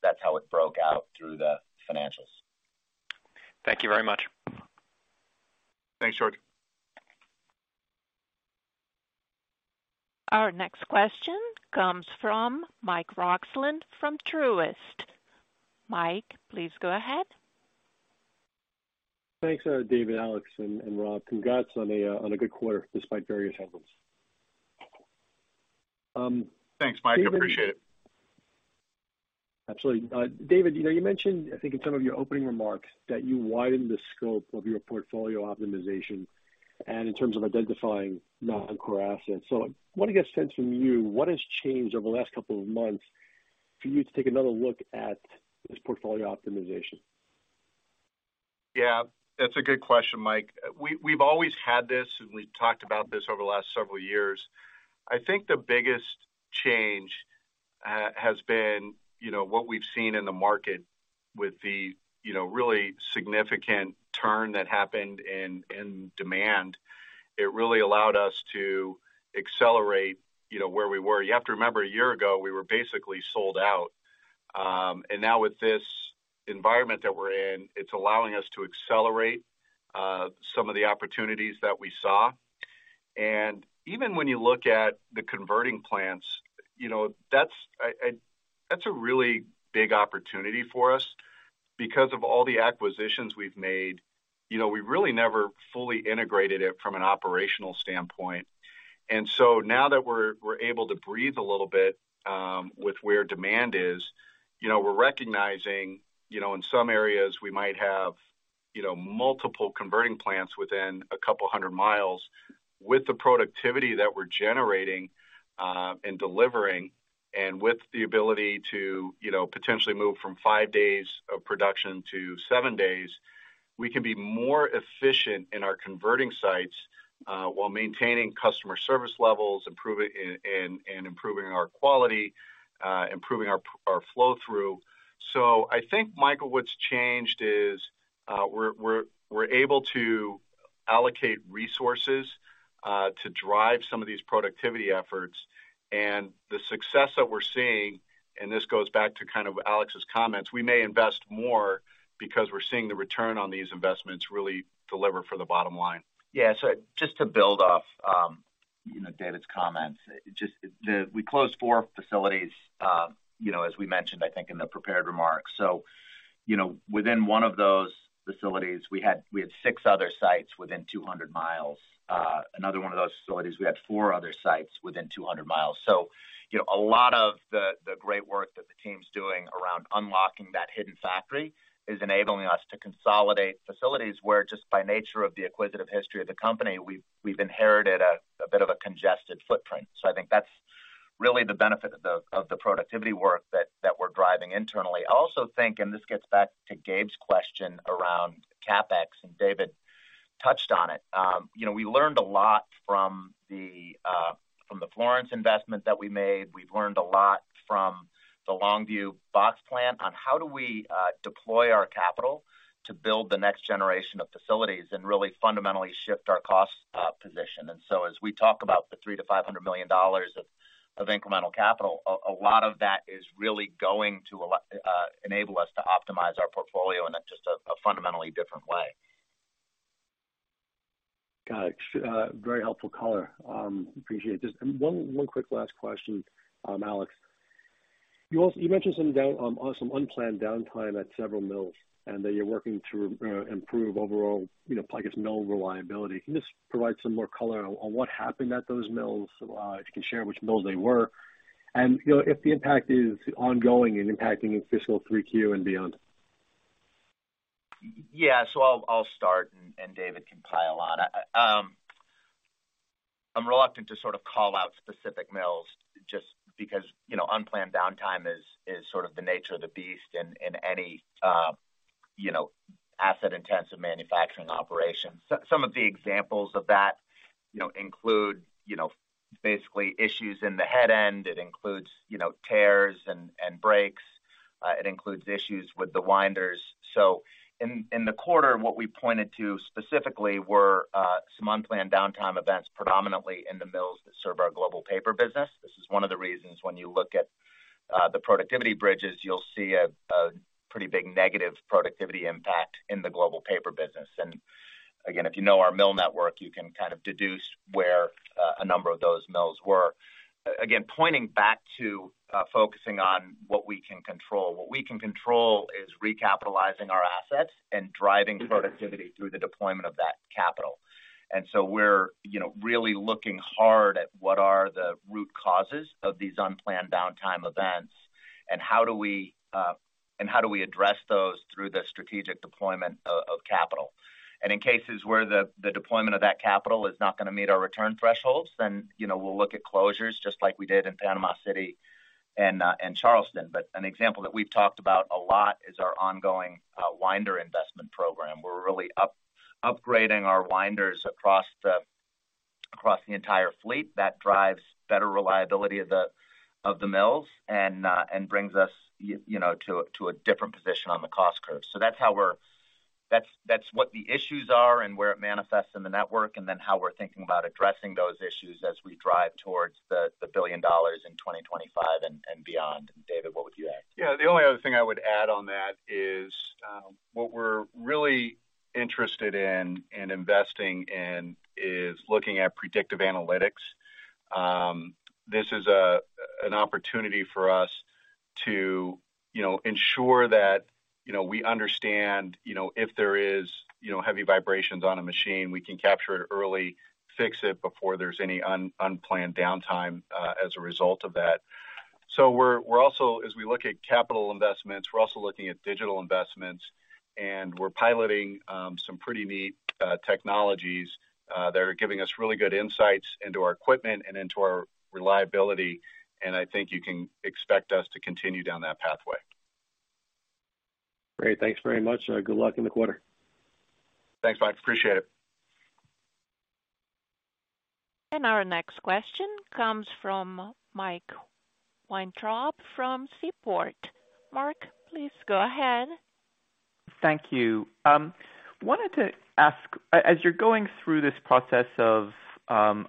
That's how it broke out through the financials. Thank you very much. Thanks, George. Our next question comes from Mike Roxland from Truist. Mike, please go ahead. Thanks, David, Alex, and Rob. Congrats on a good quarter despite various headwinds. Thanks, Mike. I appreciate it. Absolutely. David, you know, you mentioned, I think in some of your opening remarks, that you widened the scope of your portfolio optimization and in terms of identifying non-core assets. I want to get a sense from you, what has changed over the last couple of months for you to take another look at this portfolio optimization? Yeah, that's a good question, Mike. We've always had this, we've talked about this over the last several years. I think the biggest change has been, you know, what we've seen in the market with the, you know, really significant turn that happened in demand. It really allowed us to accelerate, you know, where we were. You have to remember, a year ago, we were basically sold out. Now with this environment that we're in, it's allowing us to accelerate some of the opportunities that we saw. Even when you look at the converting plants, you know, that's a really big opportunity for us. Because of all the acquisitions we've made, you know, we really never fully integrated it from an operational standpoint. Now that we're able to breathe a little bit, with where demand is, you know, we're recognizing, you know, in some areas we might have, you know, multiple converting plants within a couple of 100 miles. With the productivity that we're generating and delivering, and with the ability to, you know, potentially move from five days of production to seven days, we can be more efficient in our converting sites while maintaining customer service levels, improving and improving our quality, improving our flow through. I think, Michael, what's changed is we're able to allocate resources to drive some of these productivity efforts. The success that we're seeing, and this goes back to kind of Alex's comments, we may invest more because we're seeing the return on these investments really deliver for the bottom line. Yeah. Just to build off, you know, David's comments. We closed four facilities, you know, as we mentioned, I think in the prepared remarks. You know, within one of those facilities, we had six other sites within 200 miles. Another one of those facilities, we had four other sites within 200 miles. You know, a lot of the great work that the team's doing around unlocking that hidden factory is enabling us to consolidate facilities where just by nature of the acquisitive history of the company, we've inherited a bit of a congested footprint. I think that's really the benefit of the, of the productivity work that we're driving internally. I also think, and this gets back to Gabe's question around CapEx, and David touched on it. You know, we learned a lot from the Florence investment that we made. We've learned a lot from the Longview box plant on how do we deploy our capital to build the next generation of facilities and really fundamentally shift our cost position. As we talk about the $300 million to $500 million of incremental capital, a lot of that is really going to enable us to optimize our portfolio in just a fundamentally different way. Got it. Very helpful color. Appreciate it. Just, one quick last question, Alex. You mentioned some down, some unplanned downtime at several mills, and that you're working to improve overall, you know, Florence mill reliability. Can you just provide some more color on what happened at those mills, if you can share which mill they were? You know, if the impact is ongoing and impacting in fiscal 3Q and beyond. Yeah, I'll start and David can pile on. I'm reluctant to sort of call out specific mills just because, you know, unplanned downtime is sort of the nature of the beast in any, you know, asset-intensive manufacturing operation. Some of the examples of that, you know, include, you know, basically issues in the head end. It includes, you know, tears and breaks. It includes issues with the winders. In the quarter, what we pointed to specifically were some unplanned downtime events, predominantly in the mills that serve our global paper business. This is one of the reasons when you look at the productivity bridges, you'll see a pretty big negative productivity impact in the global paper business. Again, if you know our mill network, you can kind of deduce where a number of those mills were. Again, pointing back to focusing on what we can control. What we can control is recapitalizing our assets and driving productivity through the deployment of that capital. We're, you know, really looking hard at what are the root causes of these unplanned downtime events, and how do we address those through the strategic deployment of capital. In cases where the deployment of that capital is not gonna meet our return thresholds, then, you know, we'll look at closures just like we did in Panama City and Charleston. An example that we've talked about a lot is our ongoing winder investment program, where we're really upgrading our winders across the entire fleet. That drives better reliability of the mills and brings us you know, to a different position on the cost curve. That's what the issues are and where it manifests in the network, and how we're thinking about addressing those issues as we drive towards the $1 billion in 2025 and beyond. David, what would you add? Yeah. The only other thing I would add on that is what we're really interested in investing in is looking at predictive analytics. This is an opportunity for us to, you know, ensure that, you know, we understand, you know, if there is, you know, heavy vibrations on a machine, we can capture it early, fix it before there's any unplanned downtime as a result of that. We're also, as we look at capital investments, we're also looking at digital investments, and we're piloting some pretty neat technologies that are giving us really good insights into our equipment and into our reliability, and I think you can expect us to continue down that pathway. Great. Thanks very much. Good luck in the quarter. Thanks, Mike. Appreciate it. Our next question comes from Mark Weintraub, from Seaport. Mark, please go ahead. Thank you. Wanted to ask, as you're going through this process of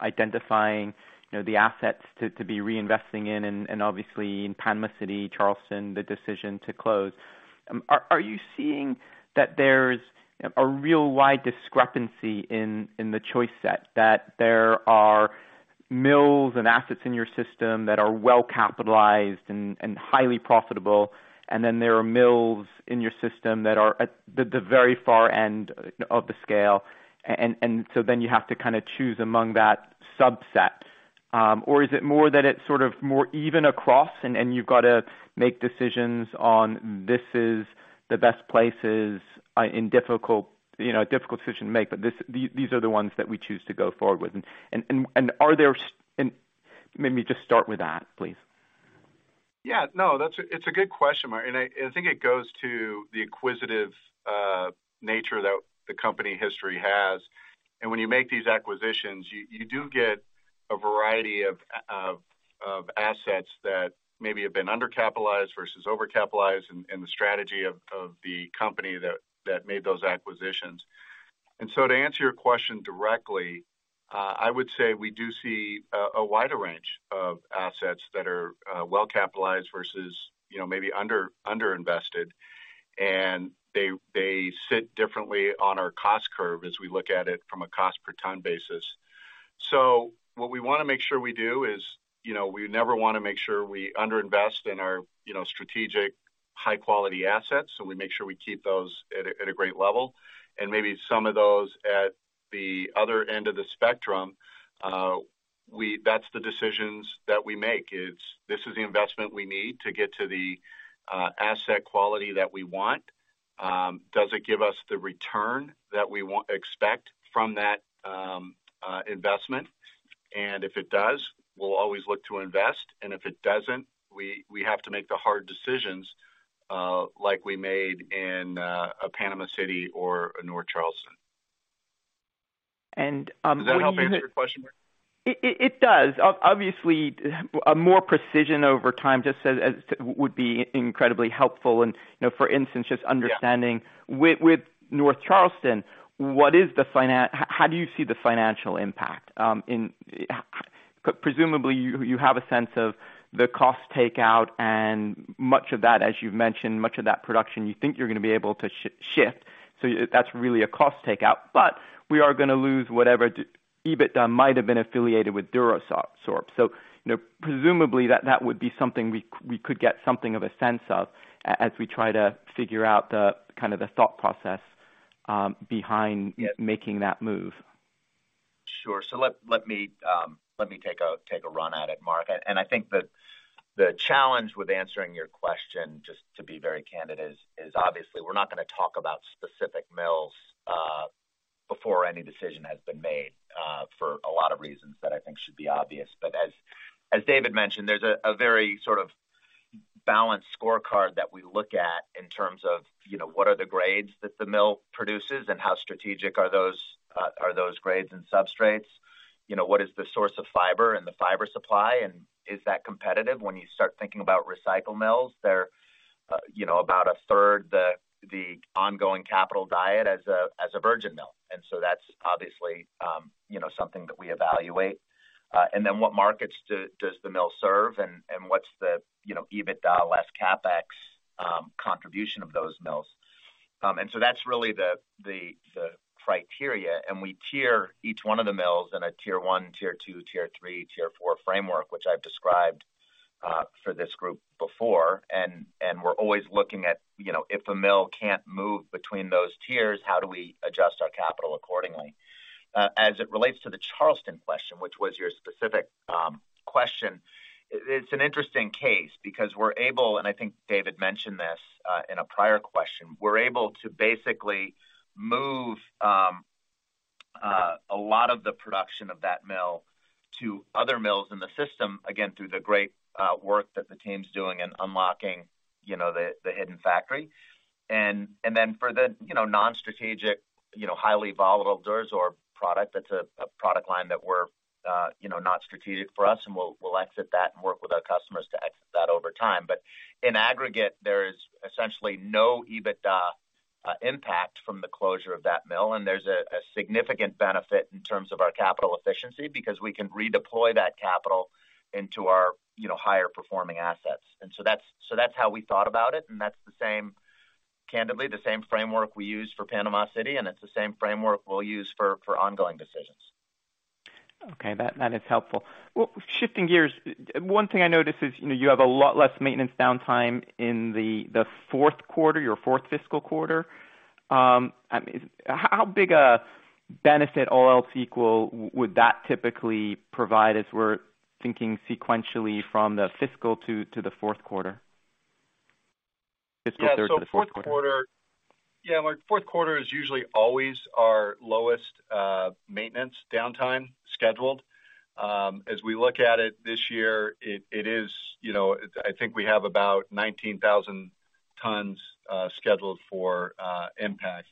identifying, you know, the assets to be reinvesting in, and obviously in Panama City, Charleston, the decision to close, are you seeing that there's a real wide discrepancy in the choice set? That there are mills and assets in your system that are well-capitalized and highly profitable, and then there are mills in your system that are at the very far end of the scale, and so then you have to kinda choose among that subset. Is it more that it's sort of more even across and you've gotta make decisions on this is the best places in difficult, you know, a difficult decision to make, but these are the ones that we choose to go forward with? Maybe just start with that, please. No, that's a good question, Mark, and I, and I think it goes to the inquisitive nature that the company history has. When you make these acquisitions, you do get a variety of assets that maybe have been undercapitalized versus overcapitalized in the strategy of the company that made those acquisitions. To answer your question directly, I would say we do see a wider range of assets that are well-capitalized versus, you know, maybe underinvested, and they sit differently on our cost curve as we look at it from a cost per ton basis. What we wanna make sure we do is, you know, we never wanna make sure we underinvest in our, you know, strategic high quality assets, we make sure we keep those at a great level. Maybe some of those at the other end of the spectrum, that's the decisions that we make. It's this is the investment we need to get to the asset quality that we want. Does it give us the return that we expect from that investment? If it does, we'll always look to invest, and if it doesn't, we have to make the hard decisions, like we made in Panama City or North Charleston. And Does that help answer your question, Mark? It does. Obviously, more precision over time just as would be incredibly helpful. You know, for instance, just understanding. Yeah. with North Charleston, what is the financial impact? Presumably you have a sense of the cost takeout and much of that, as you've mentioned, much of that production you think you're gonna be able to shift. That's really a cost takeout. We are gonna lose whatever EBITDA might have been affiliated with DuraSorb. Presumably that would be something we could get something of a sense of as we try to figure out the kind of the thought process behind making that move. Sure. Let me take a run at it, Mark. I think the challenge with answering your question, just to be very candid, is obviously we're not gonna talk about specific mills before any decision has been made for a lot of reasons that I think should be obvious. As David mentioned, there's a very sort of balanced scorecard that we look at in terms of, you know, what are the grades that the mill produces and how strategic are those grades and substrates? You know, what is the source of fiber and the fiber supply, is that competitive? When you start thinking about recycle mills, they're, you know, about a third the ongoing capital diet as a virgin mill. That's obviously, you know, something that we evaluate. Then what markets does the mill serve, and what's the, you know, EBITDA less CapEx, contribution of those mills? That's really the criteria. We tier each one of the mills in a tier one, tier two, tier three, tier four framework, which I've described for this group before. We're always looking at, you know, if a mill can't move between those tiers, how do we adjust our capital accordingly? As it relates to the Charleston question, which was your specific question, it's an interesting case because we're able, and I think David mentioned this in a prior question, we're able to basically move a lot of the production of that mill to other mills in the system, again, through the great work that the team's doing in unlocking, you know, the hidden factory. Then for the, you know, non-strategic, you know, highly volatile DuraSorb product, that's a product line that we're, you know, not strategic for us, and we'll exit that and work with our customers to exit that over time. In aggregate, there is essentially no EBITDA impact from the closure of that mill. There's a significant benefit in terms of our capital efficiency because we can redeploy that capital into our, you know, higher performing assets. That's how we thought about it, and that's the same, candidly, framework we use for Panama City, and it's the same framework we'll use for ongoing decisions. Okay. That is helpful. Well, shifting gears, one thing I noticed is, you know, you have a lot less maintenance downtime in the fourth quarter, your fourth fiscal quarter. How big a benefit, all else equal, would that typically provide as we're thinking sequentially from the fiscal to the fourth quarter? Fiscal third to the fourth quarter. Yeah. fourth quarter, yeah, Mark, fourth quarter is usually always our lowest maintenance downtime scheduled. As we look at it this year, it is, you know, I think we have about 19,000 tons scheduled for impact.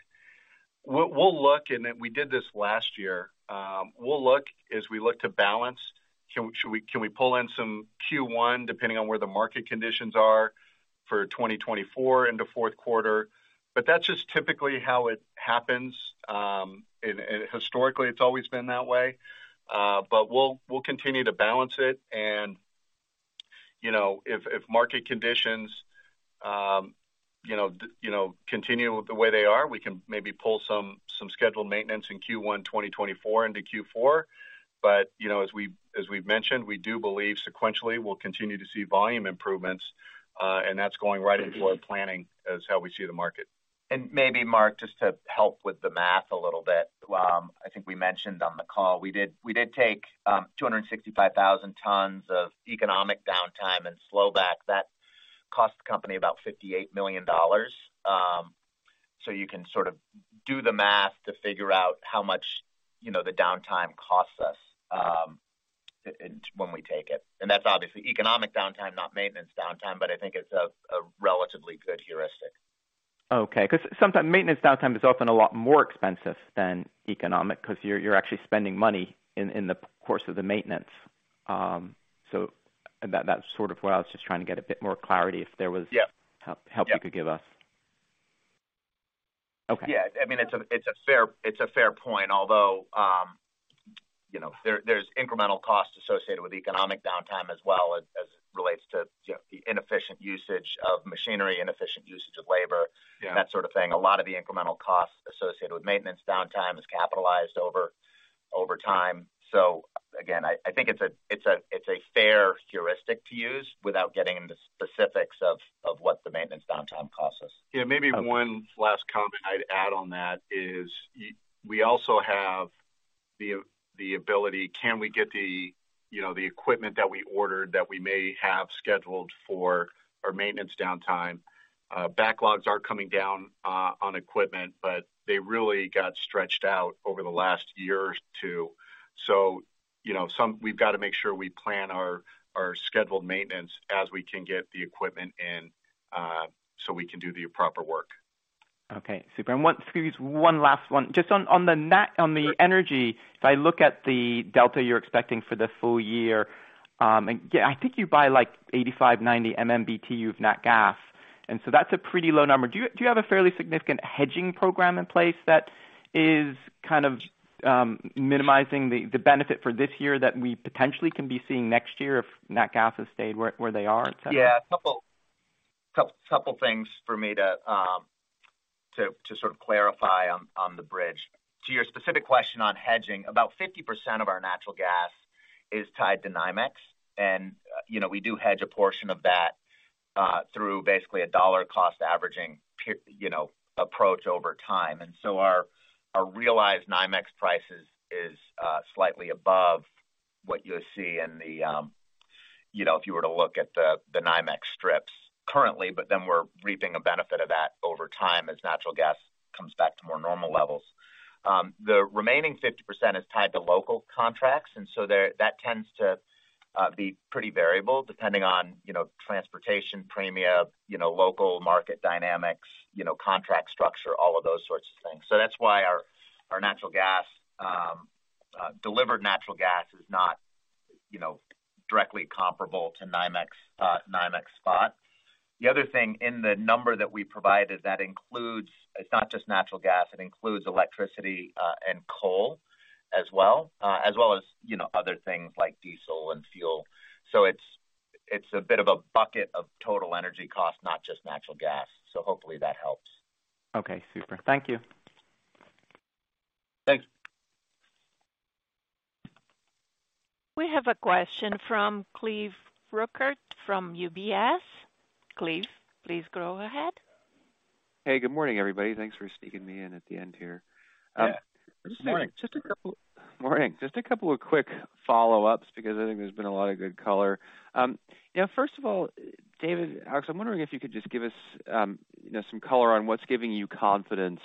We'll look, and then we did this last year. We'll look as we look to balance, can, should we, can we pull in some Q1 depending on where the market conditions are for 2024 into fourth quarter. That's just typically how it happens. Historically it's always been that way. We'll continue to balance it. You know, if market conditions, you know, continue the way they are, we can maybe pull some scheduled maintenance in Q1 2024 into Q4 you know, as we've mentioned, we do believe sequentially we'll continue to see volume improvements, and that's going right into our planning as how we see the market. Maybe Mark, just to help with the math a little bit, I think we mentioned on the call, we did take 265,000 tons of economic downtime and slow back. That cost the company about $58 million. You can sort of do the math to figure out how much, you know, the downtime costs us when we take it. That's obviously economic downtime, not maintenance downtime, but I think it's a relatively good heuristic. Okay. Because sometimes maintenance downtime is often a lot more expensive than economic because you're actually spending money in the course of the maintenance. That's sort of what I was just trying to get a bit more clarity if there was. Yeah. help you could give us. Yeah. Okay. Yeah. I mean, it's a fair point. Although, you know, there's incremental costs associated with economic downtime as well as it relates to, you know, the inefficient usage of machinery, inefficient usage of labor- Yeah. that sort of thing. A lot of the incremental costs associated with maintenance downtime is capitalized over time. Again, I think it's a fair heuristic to use without getting into the specifics of what the maintenance downtime costs us. Yeah. Maybe one last comment I'd add on that is we also have the ability, can we get the, you know, the equipment that we ordered that we may have scheduled for our maintenance downtime? Backlogs are coming down on equipment. They really got stretched out over the last year or two. You know, we've got to make sure we plan our scheduled maintenance as we can get the equipment in, so we can do the proper work. Okay. Super. Just one last one. Just on the energy, if I look at the delta you're expecting for the full year. Yeah, I think you buy like 85, 90 MMBtu of nat gas, that's a pretty low number. Do you have a fairly significant hedging program in place that is kind of minimizing the benefit for this year that we potentially can be seeing next year if nat gas has stayed where they are et cetera? Yeah. A couple things for me to sort of clarify on the bridge. To your specific question on hedging, about 50% of our natural gas is tied to NYMEX. you know, we do hedge a portion of that through basically a dollar cost averaging you know, approach over time. our realized NYMEX prices is slightly above what you'll see in the, you know, if you were to look at the NYMEX strips currently, we're reaping a benefit of that over time as natural gas comes back to more normal levels. The remaining 50% is tied to local contracts, that tends to be pretty variable depending on, you know, transportation premia, you know, local market dynamics, you know, contract structure, all of those sorts of things. That's why our natural gas, delivered natural gas is not, you know, directly comparable to NYMEX spot. The other thing in the number that we provide is that includes it's not just natural gas, it includes electricity and coal as well as, you know, other things like diesel and fuel. It's a bit of a bucket of total energy cost, not just natural gas. Hopefully that helps. Okay, super. Thank you. Thanks. We have a question from Cleve Rueckert from UBS. Cleve, please go ahead. Hey, good morning, everybody. Thanks for sneaking me in at the end here. Yeah. Good morning. Morning. Just a couple of quick follow-ups, because I think there's been a lot of good color. You know, first of all, David, Alex, I'm wondering if you could just give us, you know, some color on what's giving you confidence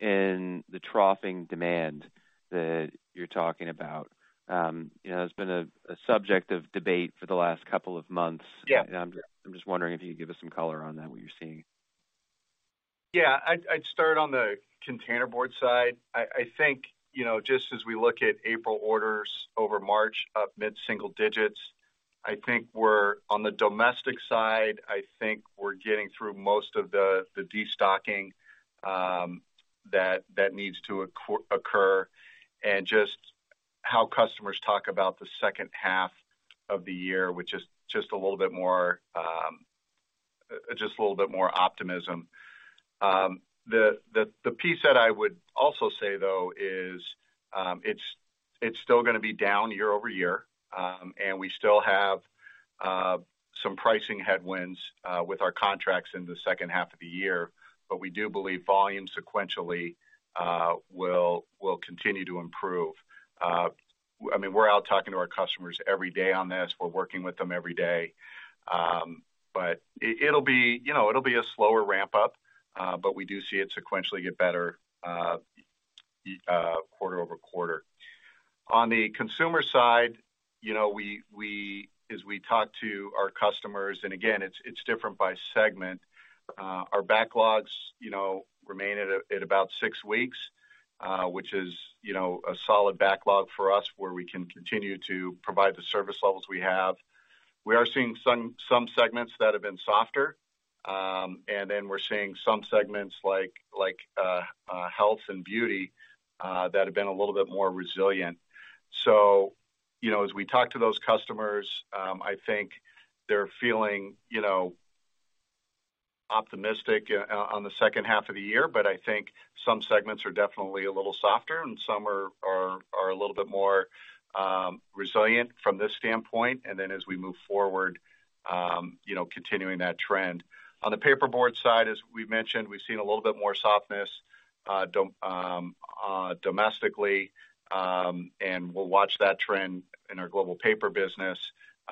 in the troughing demand that you're talking about. You know, it's been a subject of debate for the last couple of months. Yeah. I'm just wondering if you could give us some color on that, what you're seeing. Yeah. I'd start on the containerboard side. I think, you know, just as we look at April orders over March up mid-single digits. On the domestic side, I think we're getting through most of the destocking that needs to occur, and just how customers talk about the second half of the year, which is just a little bit more optimism. The piece that I would also say, though, is it's still gonna be down year-over-year, and we still have some pricing headwinds with our contracts in the second half of the year. We do believe volume sequentially will continue to improve. I mean, we're out talking to our customers every day on this. We're working with them every day. But it'll be, you know, it'll be a slower ramp-up, but we do see it sequentially get better, quarter-over-quarter. On the consumer side, you know, we as we talk to our customers, and again, it's different by segment, our backlogs, you know, remain at about six weeks, which is, you know, a solid backlog for us where we can continue to provide the service levels we have. We are seeing some segments that have been softer, and then we're seeing some segments like health and beauty that have been a little bit more resilient. You know, as we talk to those customers, I think they're feeling, you know, optimistic on the second half of the year. I think some segments are definitely a little softer and some are a little bit more resilient from this standpoint, and then as we move forward, you know, continuing that trend. On the paperboard side, as we mentioned, we've seen a little bit more softness domestically, and we'll watch that trend in our global paper business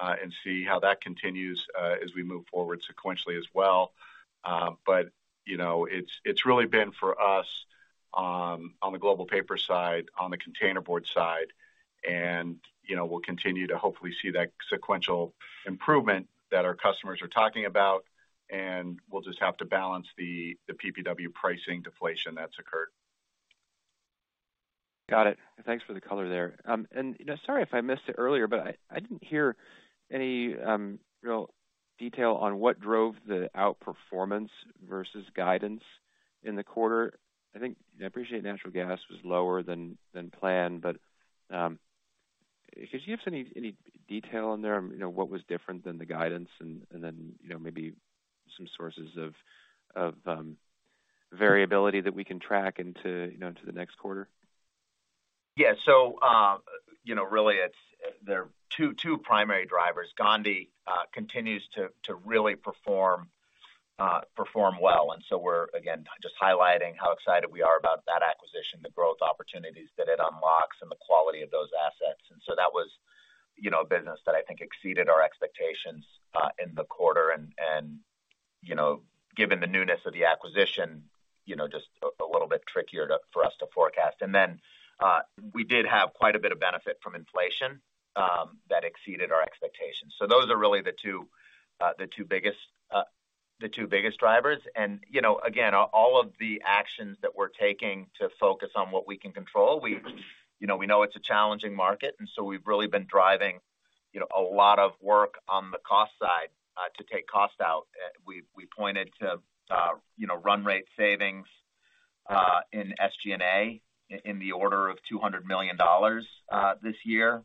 and see how that continues as we move forward sequentially as well. You know, it's really been for us on the global paper side, on the containerboard side, and, you know, we'll continue to hopefully see that sequential improvement that our customers are talking about, and we'll just have to balance the PPW pricing deflation that's occurred. Got it. Thanks for the color there. You know, sorry if I missed it earlier, but I didn't hear any real detail on what drove the outperformance versus guidance in the quarter. I think I appreciate natural gas was lower than planned, but could you give us any detail on there, you know, what was different than the guidance and then, you know, maybe some sources of variability that we can track into the next quarter? Yeah. You know, really there are two primary drivers. Gondi continues to really perform well. We're again, just highlighting how excited we are about that acquisition, the growth opportunities that it unlocks and the quality of those assets. That was, you know, a business that I think exceeded our expectations in the quarter and, you know, given the newness of the acquisition, you know, just a little bit trickier for us to forecast. We did have quite a bit of benefit from inflation that exceeded our expectations. Those are really the two biggest. The two biggest drivers. You know, again, all of the actions that we're taking to focus on what we can control. You know, we know it's a challenging market, and so we've really been driving, you know, a lot of work on the cost side to take costs out. We pointed to, you know, run rate savings in SG&A in the order of $200 million this year.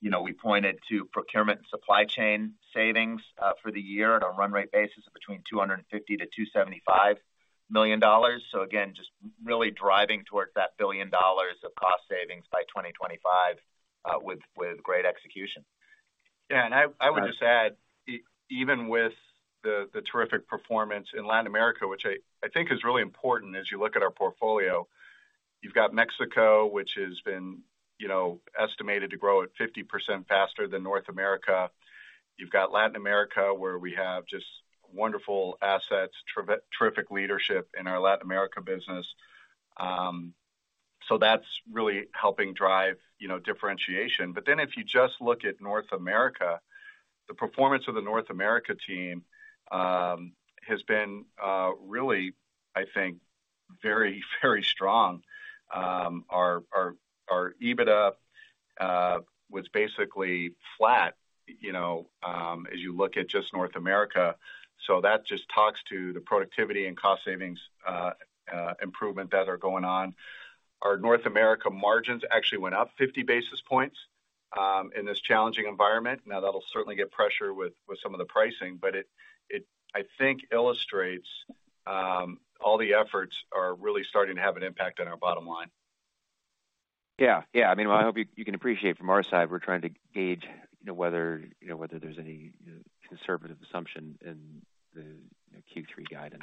You know, we pointed to procurement and supply chain savings for the year on a run rate basis of between $250 million to $275 million. Again, just really driving towards that $1 billion of cost savings by 2025 with great execution. Yeah. I would just add, even with the terrific performance in Latin America, which I think is really important as you look at our portfolio, you've got Mexico, which has been, you know, estimated to grow at 50% faster than North America. You've got Latin America, where we have just wonderful assets, terrific leadership in our Latin America business. That's really helping drive, you know, differentiation. If you just look at North America, the performance of the North America team has been really, I think very, very strong. Our EBITDA was basically flat, you know, as you look at just North America. That just talks to the productivity and cost savings improvement that are going on. Our North America margins actually went up 50 basis points in this challenging environment. That'll certainly get pressure with some of the pricing, but it, I think illustrates, all the efforts are really starting to have an impact on our bottom line. Yeah. Yeah. I mean, I hope you can appreciate from our side, we're trying to gauge, you know, whether there's any conservative assumption in the Q3 guidance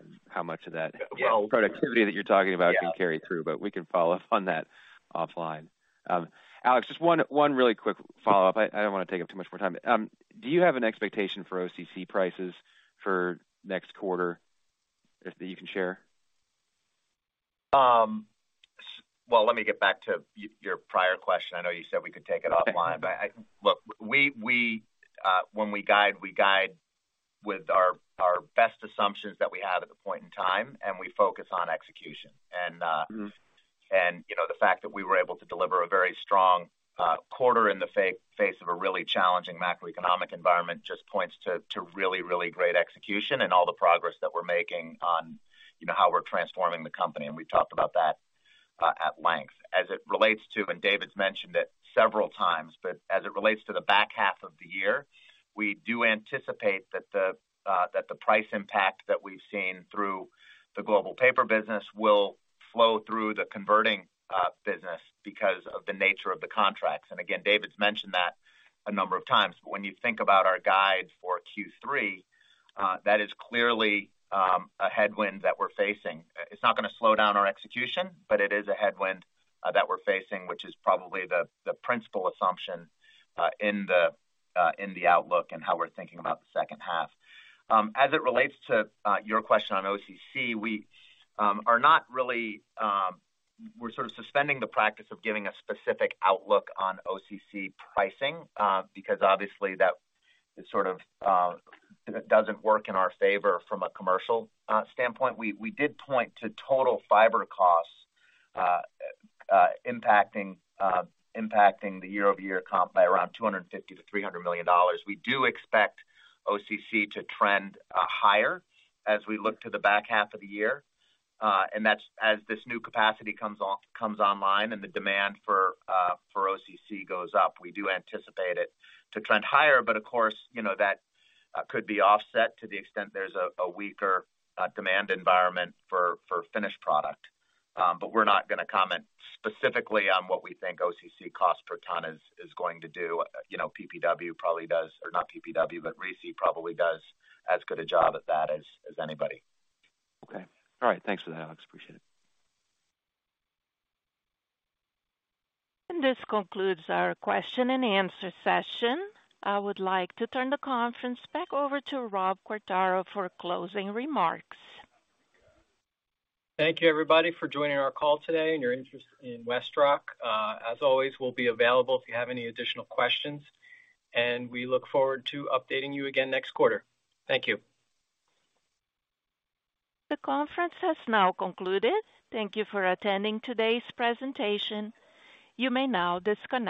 and how much of that. Well productivity that you're talking about Yeah. can carry through, but we can follow up on that offline. Alex, just one really quick follow-up. I don't wanna take up too much more time. Do you have an expectation for OCC prices for next quarter that you can share? Well, let me get back to your prior question. I know you said we could take it offline. Look, we, when we guide, we guide with our best assumptions that we have at the point in time, and we focus on execution. You know, the fact that we were able to deliver a very strong quarter in the face of a really challenging macroeconomic environment just points to really, really great execution and all the progress that we're making on, you know, how we're transforming the company, and we've talked about that at length. As it relates to, and David's mentioned it several times, but as it relates to the back half of the year, we do anticipate that the price impact that we've seen through the global paper business will flow through the converting business because of the nature of the contracts. Again, David's mentioned that a number of times. When you think about our guide for Q3, that is clearly a headwind that we're facing. It's not gonna slow down our execution, but it is a headwind that we're facing, which is probably the principal assumption in the outlook and how we're thinking about the second half. As it relates to your question on OCC, we're sort of suspending the practice of giving a specific outlook on OCC pricing because obviously that sort of doesn't work in our favor from a commercial standpoint. We did point to total fiber costs impacting the year-over-year comp by around $250 million to $300 million. We do expect OCC to trend higher as we look to the back half of the year. That's as this new capacity comes online and the demand for OCC goes up. We do anticipate it to trend higher, but of course, you know, that could be offset to the extent there's a weaker demand environment for finished product. We're not gonna comment specifically on what we think OCC cost per ton is going to do. You know, PPW probably does, or not PPW, but RISI probably does as good a job at that as anybody. Okay. All right. Thanks for that, Alex. Appreciate it. This concludes our question-and-answer session. I would like to turn the conference back over to Robert Quartaro for closing remarks. Thank you, everybody, for joining our call today and your interest in WestRock. As always, we'll be available if you have any additional questions, and we look forward to updating you again next quarter. Thank you. The conference has now concluded. Thank you for attending today's presentation. You may now disconnect.